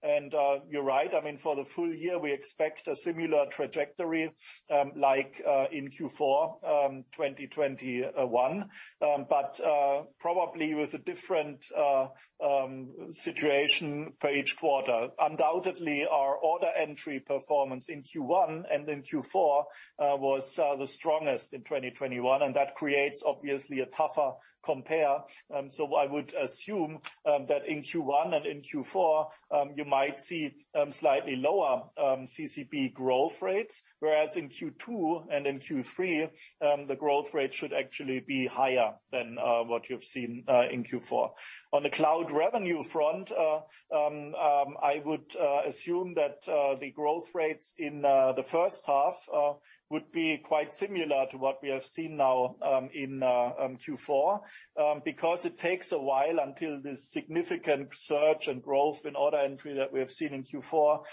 and you're right. I mean, for the full year, we expect a similar trajectory, like in Q4 2021. Probably with a different situation for each quarter. Undoubtedly, our order entry performance in Q1 and in Q4 was the strongest in 2021, and that creates obviously a tougher compare. I would assume that in Q1 and in Q4 you might see slightly lower CCB growth rates. Whereas in Q2 and in Q3, the growth rate should actually be higher than what you've seen in Q4. On the cloud revenue front, I would assume that the growth rates in the first half would be quite similar to what we have seen now in Q4. Because it takes a while until this significant surge and growth in order entry that we have seen in Q4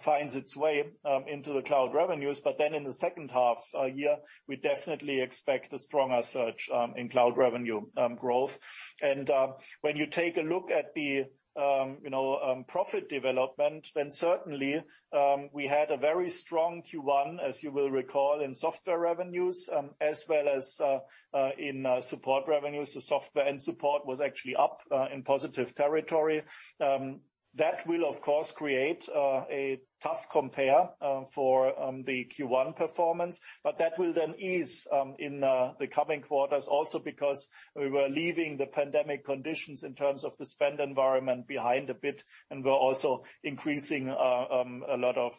finds its way into the cloud revenues. In the second half year, we definitely expect a stronger surge in cloud revenue growth. When you take a look at the you know profit development, then certainly we had a very strong Q1, as you will recall, in software revenues, as well as in support revenues. The software and support was actually up in positive territory. That will, of course, create a tough compare for the Q1 performance, but that will then ease in the coming quarters also because we were leaving the pandemic conditions in terms of the spend environment behind a bit, and we're also increasing a lot of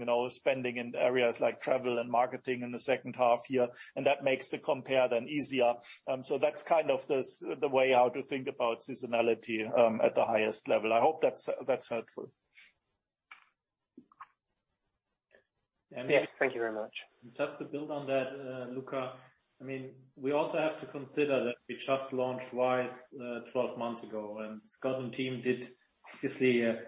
you know spending in areas like travel and marketing in the second half year, and that makes the compare then easier. That's kind of this the way how to think about seasonality at the highest level. I hope that's helpful. Yes, thank you very much. Just to build on that, Luka. I mean, we also have to consider that we just launched RISE 12 months ago, and Scott and team did obviously a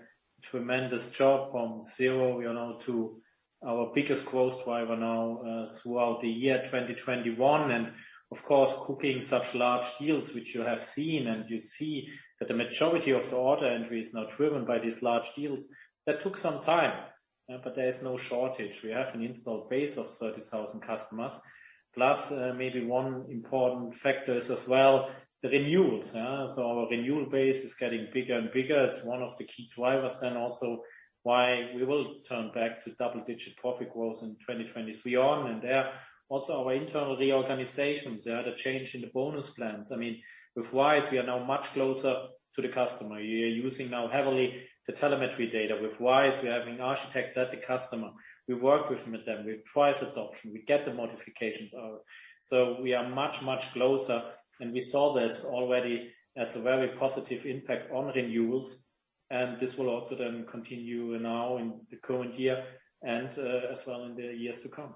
tremendous job from zero, you know, to our biggest growth driver now, throughout the year 2021. Of course, cooking such large deals, which you have seen, and you see that the majority of the order entry is now driven by these large deals. That took some time, but there is no shortage. We have an installed base of 30,000 customers, plus, maybe one important factor is as well, the renewals, so our renewal base is getting bigger and bigger. It's one of the key drivers then also why we will turn back to double-digit profit growth in 2023 on. There also our internal reorganizations, yeah, the change in the bonus plans. I mean, with RISE, we are now much closer to the customer. We are using now heavily the telemetry data. With RISE, we're having architects at the customer. We work with them, we drive adoption, we get the modifications out. We are much, much closer, and we saw this already as a very positive impact on renewals, and this will also then continue now in the current year and, as well in the years to come.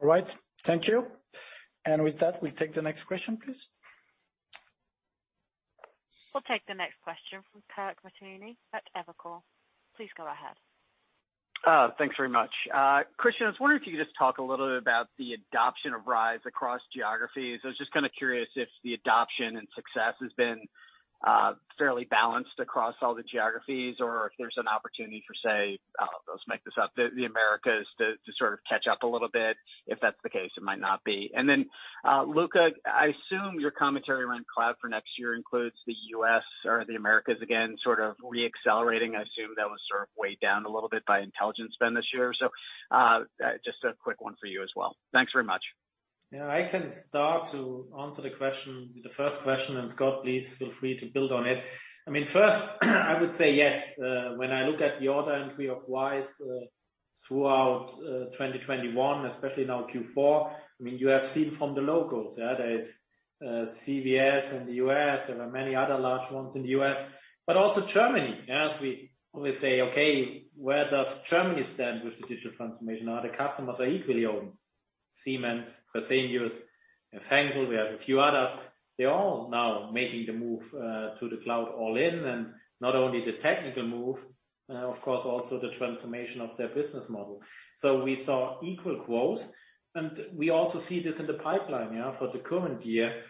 All right. Thank you. With that, we'll take the next question, please. We'll take the next question from Kirk Materne at Evercore. Please go ahead. Thanks very much. Christian, I was wondering if you could just talk a little bit about the adoption of RISE across geographies. I was just kinda curious if the adoption and success has been fairly balanced across all the geographies, or if there's an opportunity for, say, I'll just make this up, the Americas to sort of catch up a little bit, if that's the case. It might not be. Then, Luka, I assume your commentary around cloud for next year includes the U.S. or the Americas, again, sort of re-accelerating. I assume that was sort of weighed down a little bit by Intelligent Spend this year. So, just a quick one for you as well. Thanks very much. Yeah, I can start to answer the question, the first question, and Scott, please feel free to build on it. I mean, first, I would say yes. When I look at the order entry of RISE throughout 2021, especially now Q4, I mean, you have seen from the logos. There is CVS in the U.S. There are many other large ones in the U.S., but also Germany. As we always say, okay, where does Germany stand with the digital transformation? Now the customers are equally on. Siemens, Fresenius, and Henkel. We have a few others. They're all now making the move to the cloud all in, and not only the technical move, of course, also the transformation of their business model. We saw equal growth, and we also see this in the pipeline for the current year.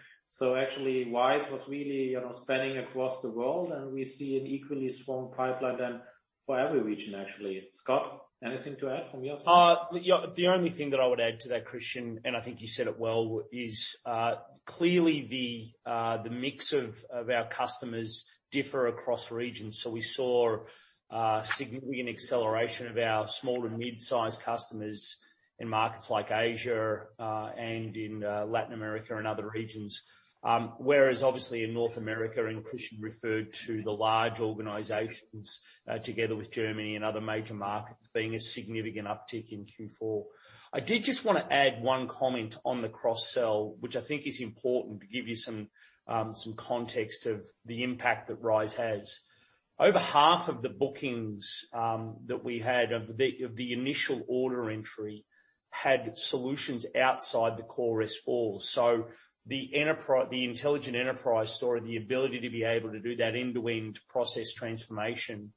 Actually, RISE was really, you know, spanning across the world, and we see an equally strong pipeline then for every region, actually. Scott, anything to add from your side? Yeah. The only thing that I would add to that, Christian, and I think you said it well, is clearly the mix of our customers differ across regions. We saw significant acceleration of our small to mid-size customers in markets like Asia and in Latin America and other regions. Whereas obviously in North America, and Christian referred to the large organizations, together with Germany and other major markets being a significant uptick in Q4. I did just wanna add one comment on the cross-sell, which I think is important to give you some context of the impact that RISE has. Over half of the bookings that we had of the initial order entry had solutions outside the core S/4. The intelligent enterprise story, the ability to be able to do that end-to-end process transformation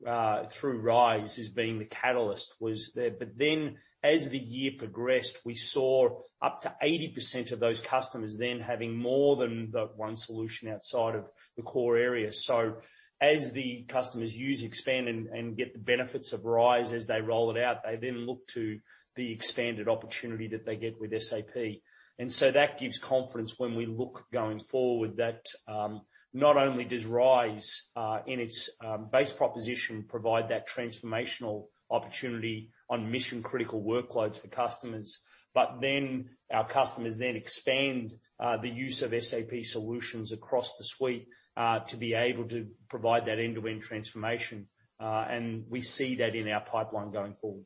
through RISE as being the catalyst was there. As the year progressed, we saw up to 80% of those customers then having more than the one solution outside of the core area. As the customers use, expand, and get the benefits of RISE as they roll it out, they then look to the expanded opportunity that they get with SAP. That gives confidence when we look going forward that not only does RISE in its base proposition provide that transformational opportunity on mission-critical workloads for customers. Our customers then expand the use of SAP solutions across the suite to be able to provide that end-to-end transformation. We see that in our pipeline going forward.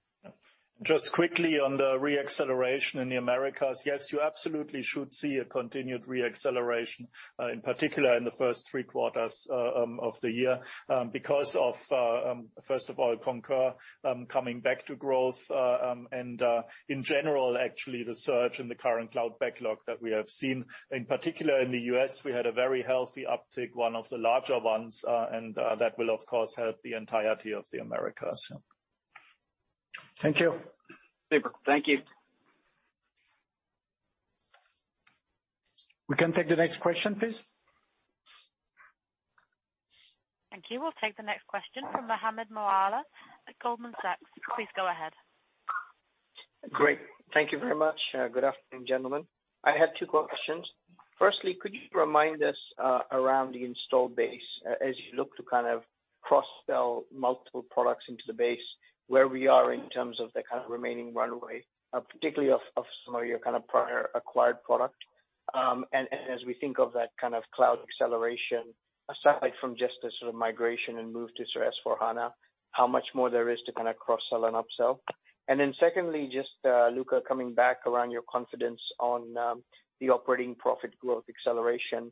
Just quickly on the re-acceleration in the Americas. Yes, you absolutely should see a continued re-acceleration, in particular in the first three quarters of the year, because of, first of all, Concur coming back to growth. In general, actually the surge in the Current Cloud Backlog that we have seen. In particular in the U.S., we had a very healthy uptick, one of the larger ones, and that will of course help the entirety of the Americas. Thank you. Super. Thank you. We can take the next question, please. Thank you. We'll take the next question from Mohammed Moawalla at Goldman Sachs. Please go ahead. Great. Thank you very much. Good afternoon, gentlemen. I had two questions. Firstly, could you remind us around the installed base, as you look to kind of cross-sell multiple products into the base, where we are in terms of the kind of remaining runway, particularly of some of your kind of prior acquired product. And as we think of that kind of cloud acceleration, aside from just the sort of migration and move to S/4HANA, how much more there is to kind of cross-sell and upsell? Secondly, just, Luka, coming back around your confidence on the operating profit growth acceleration.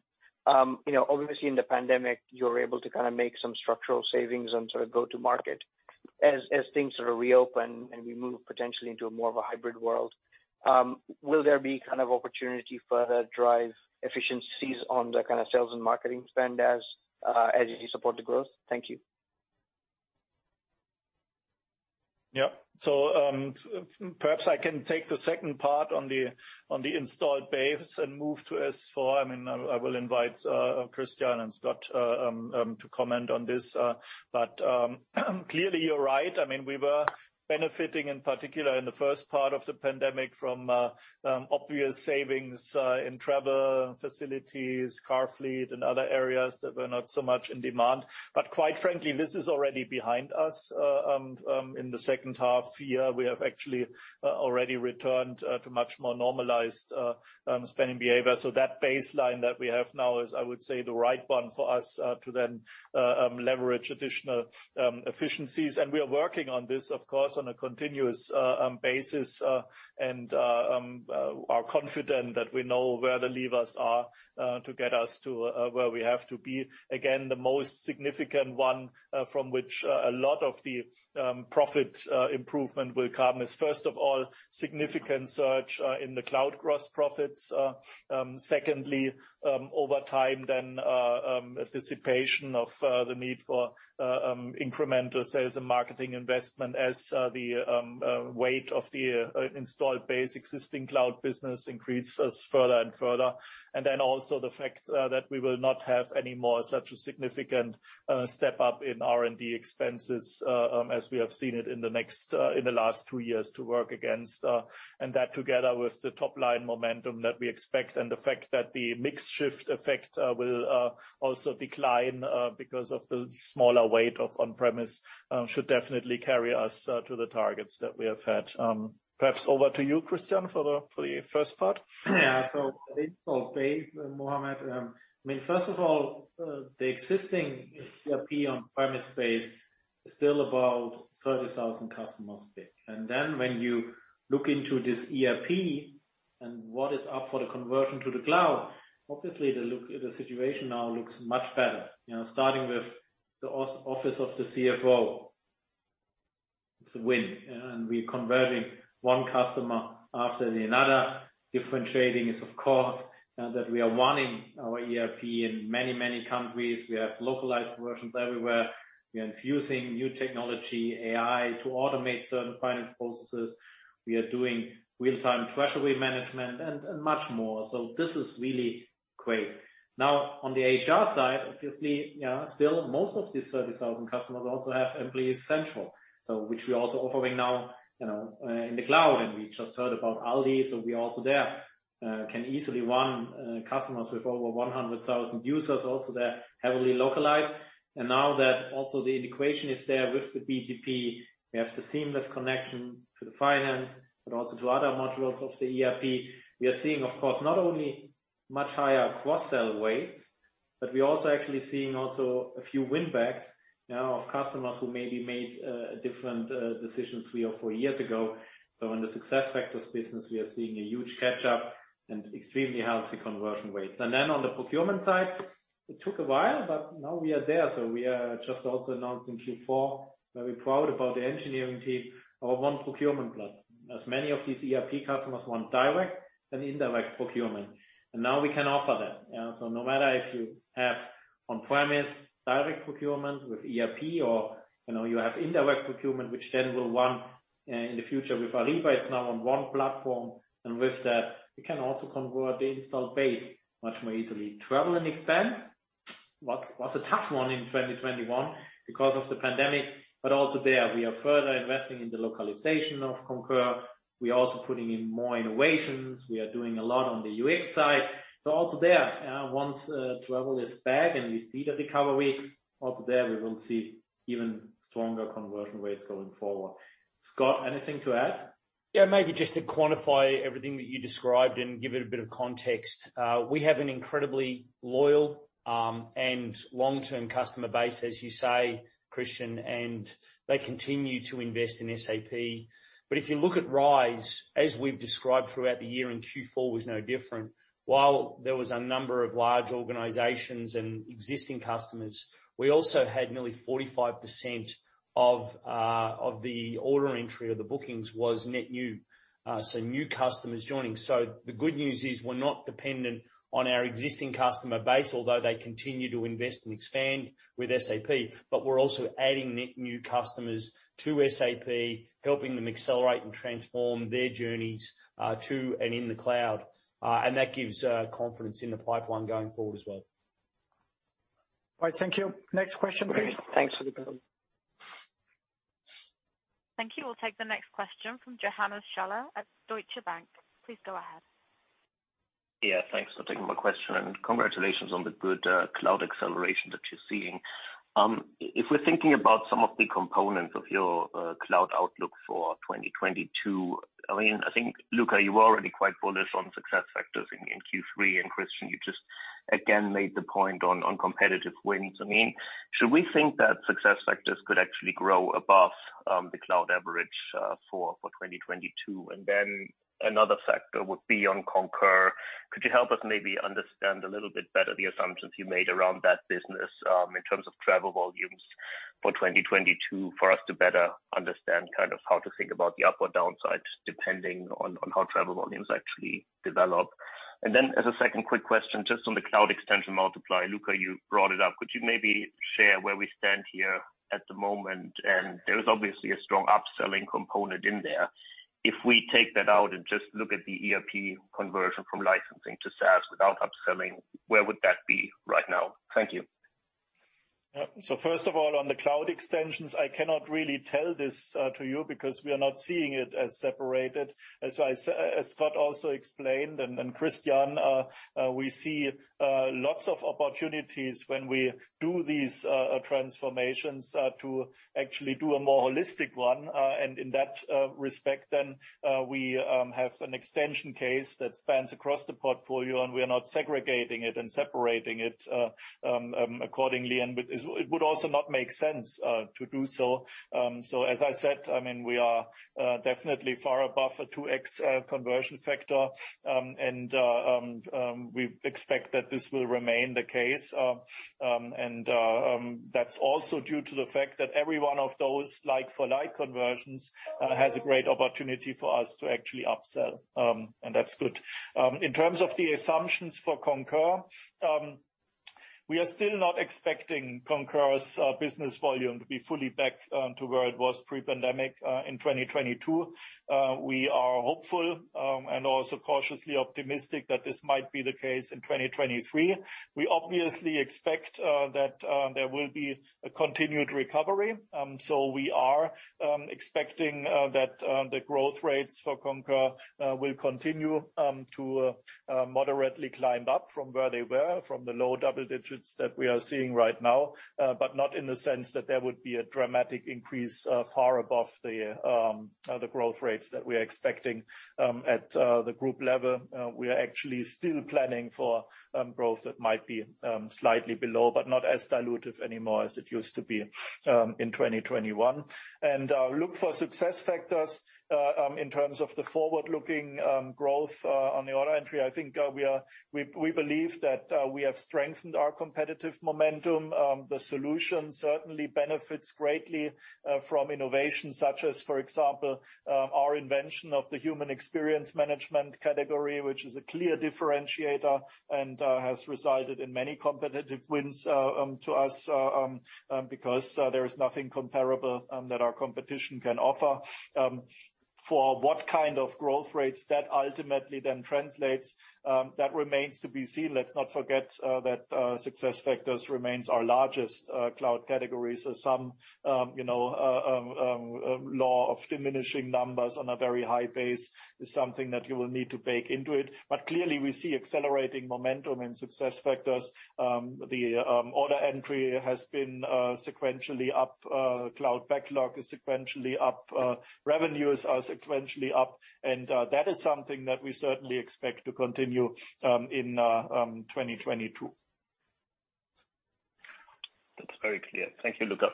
You know, obviously in the pandemic, you're able to kinda make some structural savings on sort of go-to-market. As things sort of reopen and we move potentially into a more of a hybrid world, will there be kind of opportunity to further drive efficiencies on the kinda sales and marketing spend as you support the growth? Thank you. Yeah. Perhaps I can take the second part on the installed base and move to S/4. I mean, I will invite Christian and Scott to comment on this. Clearly you're right. I mean, we were benefiting in particular in the first part of the pandemic from obvious savings in travel, facilities, car fleet, and other areas that were not so much in demand. Quite frankly, this is already behind us. In the second half year, we have actually already returned to much more normalized spending behavior. That baseline that we have now is, I would say, the right one for us to then leverage additional efficiencies. We are working on this, of course, on a continuous basis and are confident that we know where the levers are to get us to where we have to be. Again, the most significant one from which a lot of the profit improvement will come is, first of all, significant surge in the cloud gross profits. Secondly, over time then, anticipation of the need for incremental sales and marketing investment as the weight of the installed base existing cloud business increases further and further. Also the fact that we will not have any more such a significant step-up in R&D expenses as we have seen it in the last two years to work against. That together with the top line momentum that we expect and the fact that the mix shift effect will also decline because of the smaller weight of on-premise should definitely carry us to the targets that we have had. Perhaps over to you, Christian, for the first part. Yeah. The installed base, Mohammed, I mean, first of all, the existing ERP on-premise base is still about 30,000 customers big. When you look into this ERP and what is up for the conversion to the cloud, obviously the situation now looks much better. You know, starting with the office of the CFO, it's a win, and we're converting one customer after another. Differentiating is, of course, that we are running our ERP in many, many countries. We have localized versions everywhere. We are infusing new technology, AI, to automate certain finance processes. We are doing real-time treasury management and much more. This is really great. Now, on the HR side, obviously, you know, still most of these 30,000 customers also have Employee Central, so which we're also offering now, you know, in the cloud. We just heard about ALDI, so we're also there. We can easily run customers with over 100,000 users also there, heavily localized. Now that the integration is there with the BTP, we have the seamless connection to the finance, but also to other modules of the ERP. We are seeing, of course, not only much higher cross-sell rates, but we're also actually seeing a few winbacks now of customers who maybe made different decisions three or four years ago. In the SuccessFactors business, we are seeing a huge catch-up and extremely healthy conversion rates. Then on the procurement side, it took a while, but now we are there. We are just also announcing Q4, very proud about the engineering team, our one procurement plan. As many of these ERP customers want direct and indirect procurement, and now we can offer that. Yeah, so no matter if you have on-premise direct procurement with ERP or, you know, you have indirect procurement, which then will run in the future with Ariba, it's now on one platform. With that, we can also convert the installed base much more easily. Travel and expense was a tough one in 2021 because of the pandemic. Also there, we are further investing in the localization of Concur. We are also putting in more innovations. We are doing a lot on the UX side. Also there, once travel is back and we see the recovery, also there we will see even stronger conversion rates going forward. Scott, anything to add? Yeah, maybe just to quantify everything that you described and give it a bit of context. We have an incredibly loyal and long-term customer base, as you say, Christian, and they continue to invest in SAP. If you look at RISE, as we've described throughout the year, and Q4 was no different, while there was a number of large organizations and existing customers, we also had nearly 45% of the order entry or the bookings was net new, so new customers joining. The good news is we're not dependent on our existing customer base, although they continue to invest and expand with SAP. We're also adding net new customers to SAP, helping them accelerate and transform their journeys to and in the cloud. That gives confidence in the pipeline going forward as well. All right. Thank you. Next question, please. Thanks for the color. Thank you. We'll take the next question from Johannes Schaller at Deutsche Bank. Please go ahead. Yeah. Thanks for taking my question, and congratulations on the good cloud acceleration that you're seeing. If we're thinking about some of the components of your cloud outlook for 2022, I mean, I think, Luka, you were already quite bullish on SuccessFactors in Q3, and Christian, you just again made the point on competitive wins. I mean, should we think that SuccessFactors could actually grow above the cloud average for 2022? Then another factor would be on Concur. Could you help us maybe understand a little bit better the assumptions you made around that business in terms of travel volumes? For 2022 for us to better understand kind of how to think about the up or down sides depending on how travel volumes actually develop. Then as a second quick question, just on the cloud extension multiple, Luka, you brought it up. Could you maybe share where we stand here at the moment? There is obviously a strong upselling component in there. If we take that out and just look at the ERP conversion from licensing to SaaS without upselling, where would that be right now? Thank you. First of all, on the cloud extensions, I cannot really tell this to you because we are not seeing it as separated. As Scott also explained, and Christian, we see lots of opportunities when we do these transformations to actually do a more holistic one. In that respect, we have an extension case that spans across the portfolio, and we are not segregating it and separating it accordingly. It would also not make sense to do so. As I said, I mean, we are definitely far above a 2x conversion factor. We expect that this will remain the case. That's also due to the fact that every one of those like for like conversions has a great opportunity for us to actually upsell. That's good. In terms of the assumptions for Concur, we are still not expecting Concur's business volume to be fully back to where it was pre-pandemic in 2022. We are hopeful and also cautiously optimistic that this might be the case in 2023. We obviously expect that there will be a continued recovery. We are expecting that the growth rates for Concur will continue to moderately climb up from where they were, from the low double digits that we are seeing right now. Not in the sense that there would be a dramatic increase, far above the growth rates that we are expecting, at the group level. We are actually still planning for growth that might be slightly below, but not as dilutive anymore as it used to be, in 2021. Look for SuccessFactors, in terms of the forward-looking growth, on the order entry. I think, we believe that, we have strengthened our competitive momentum. The solution certainly benefits greatly from innovation such as, for example, our invention of the Human Experience Management category, which is a clear differentiator and has resulted in many competitive wins to us because there is nothing comparable that our competition can offer. For what kind of growth rates that ultimately then translates that remains to be seen. Let's not forget that SuccessFactors remains our largest cloud category. Some you know law of diminishing numbers on a very high base is something that you will need to bake into it. Clearly, we see accelerating momentum in SuccessFactors. The order entry has been sequentially up. Cloud backlog is sequentially up. Revenues are sequentially up. that is something that we certainly expect to continue in 2022. That's very clear. Thank you, Luka.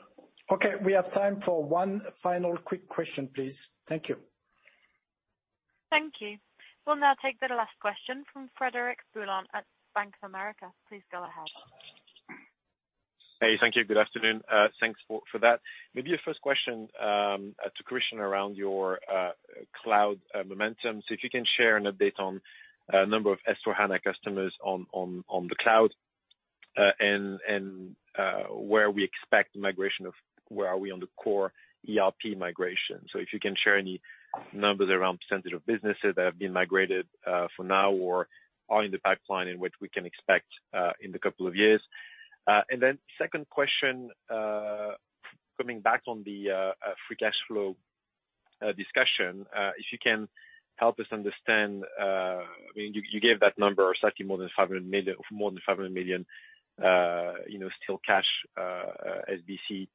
Okay, we have time for one final quick question, please. Thank you. Thank you. We'll now take the last question from Frederic Boulan at Bank of America. Please go ahead. Hey, thank you. Good afternoon. Thanks for that. Maybe a first question to Christian around your cloud momentum. If you can share an update on number of S/4HANA customers on the cloud and where we are on the core ERP migration. If you can share any numbers around percentage of businesses that have been migrated for now or are in the pipeline and what we can expect in the couple of years. Then second question coming back on the free cash flow discussion. If you can help us understand, I mean, you gave that number slightly more than 500 million, you know, still cash SBC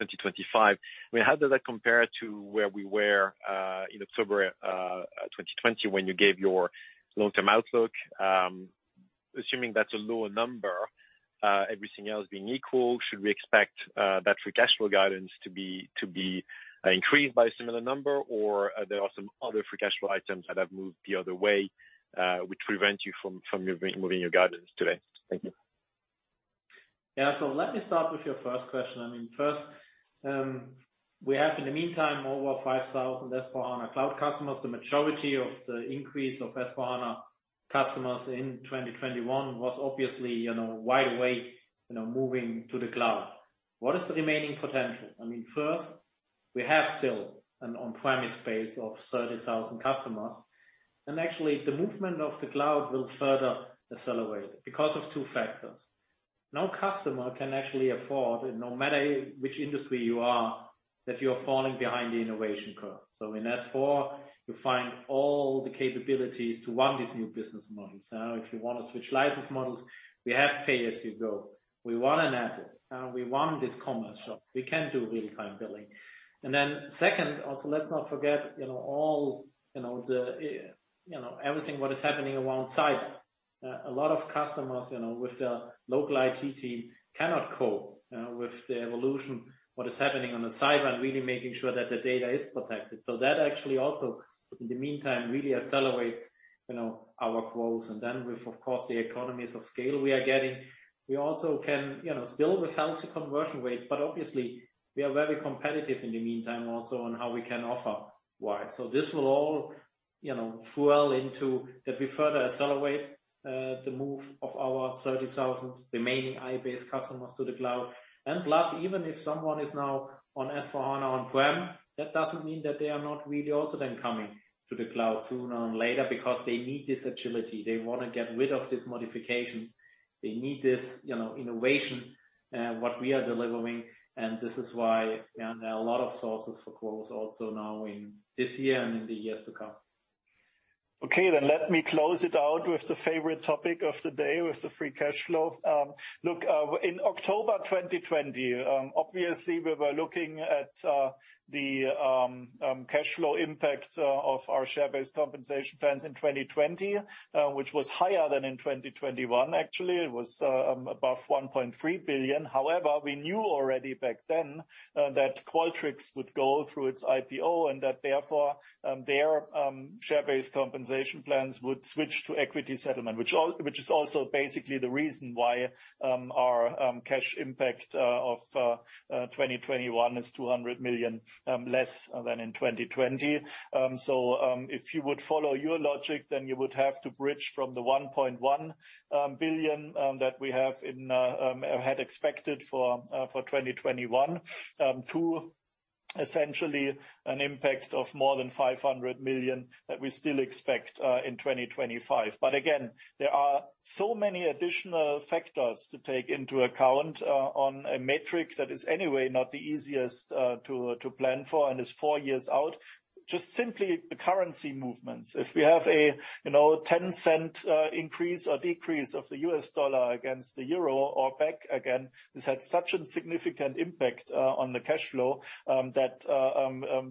2025. I mean, how does that compare to where we were in October 2020 when you gave your long-term outlook? Assuming that's a lower number, everything else being equal, should we expect that free cash flow guidance to be increased by a similar number or are there some other free cash flow items that have moved the other way, which prevent you from moving your guidance today? Thank you. Yeah. Let me start with your first question. I mean, first, we have in the meantime over 5,000 S/4HANA Cloud customers. The majority of the increase of S/4HANA customers in 2021 was obviously, you know, right away, you know, moving to the cloud. What is the remaining potential? I mean, first, we have still an on-premise base of 30,000 customers. Actually, the movement to the cloud will further accelerate because of two factors. No customer can actually afford, no matter which industry you are, that you are falling behind the innovation curve. In S/4, you find all the capabilities to run these new business models. If you want to switch license models, we have pay-as-you-go. We want an app. We want this commerce shop. We can do real-time billing. Second, also, let's not forget, you know, everything what is happening around cyber. A lot of customers, you know, with their local IT team cannot cope with the evolution. What is happening on the side and really making sure that the data is protected. That actually also, in the meantime, really accelerates, you know, our growth. With, of course, the economies of scale we are getting, we also can, you know, still without the conversion rates, but obviously we are very competitive in the meantime also on how we can offer wide. This will all, you know, flow into that we further accelerate the move of our 30,000 remaining installed-base customers to the cloud. Plus, even if someone is now on S/4HANA on-prem, that doesn't mean that they are not really also then coming to the cloud sooner or later because they need this agility. They wanna get rid of these modifications. They need this, you know, innovation, what we are delivering, and this is why there are a lot of sources for growth also now in this year and in the years to come. Okay, let me close it out with the favorite topic of the day, with the free cash flow. Look, in October 2020, obviously, we were looking at the cash flow impact of our share-based compensation plans in 2020, which was higher than in 2021. Actually, it was above 1.3 billion. However, we knew already back then that Qualtrics would go through its IPO and that therefore their share-based compensation plans would switch to equity settlement, which is also basically the reason why our cash impact of 2021 is 200 million less than in 2020. If you would follow your logic, then you would have to bridge from the 1.1 billion that we had expected for 2021 to essentially an impact of more than 500 million that we still expect in 2025. Again, there are so many additional factors to take into account on a metric that is anyway not the easiest to plan for and is four years out. Just simply the currency movements. If we have a, you know, 10-cent increase or decrease of the U.S. dollar against the euro or back again, this had such a significant impact on the cash flow that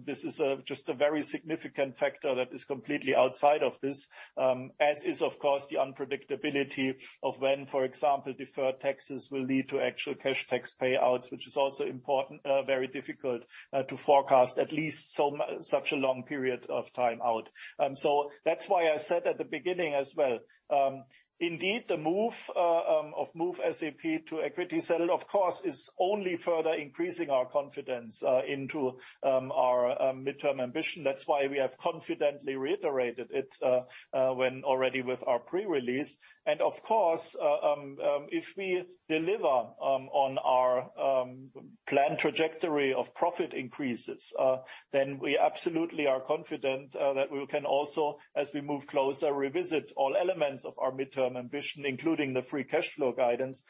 this is just a very significant factor that is completely outside of this, as is of course the unpredictability of when, for example, deferred taxes will lead to actual cash tax payouts, which is also important, very difficult to forecast at least over such a long period of time out. That's why I said at the beginning as well, indeed, the move of Move SAP to equity settle of course is only further increasing our confidence into our midterm ambition. That's why we have confidently reiterated it already with our pre-release. Of course, if we deliver on our plan trajectory of profit increases, then we absolutely are confident that we can also, as we move closer, revisit all elements of our midterm ambition, including the free cash flow guidance.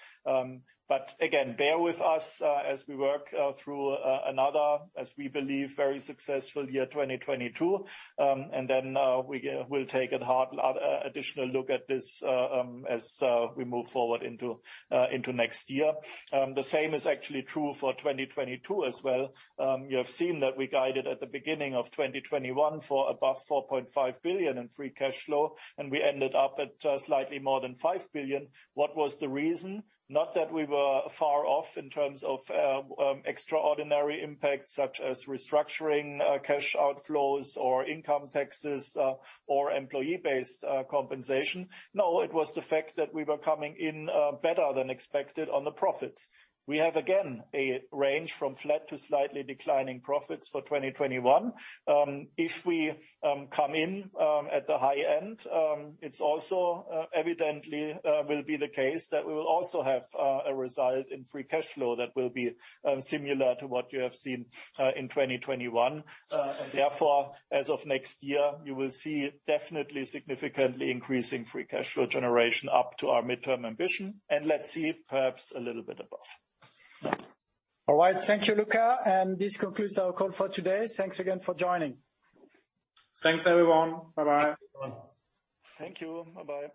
Again, bear with us, as we work through another, as we believe, very successful year, 2022. We will take a hard additional look at this, as we move forward into next year. The same is actually true for 2022 as well. You have seen that we guided at the beginning of 2021 for above 4.5 billion in free cash flow, and we ended up at slightly more than 5 billion. What was the reason? Not that we were far off in terms of extraordinary impacts such as restructuring, cash outflows or income taxes, or employee-based compensation. No, it was the fact that we were coming in better than expected on the profits. We have, again, a range from flat to slightly declining profits for 2021. If we come in at the high end, it's also evidently will be the case that we will also have a result in free cash flow that will be similar to what you have seen in 2021. And therefore, as of next year, you will see definitely significantly increasing free cash flow generation up to our midterm ambition. Let's see, perhaps a little bit above. All right. Thank you, Luka. This concludes our call for today. Thanks again for joining. Thanks, everyone. Bye-bye. Thank you. Bye-bye.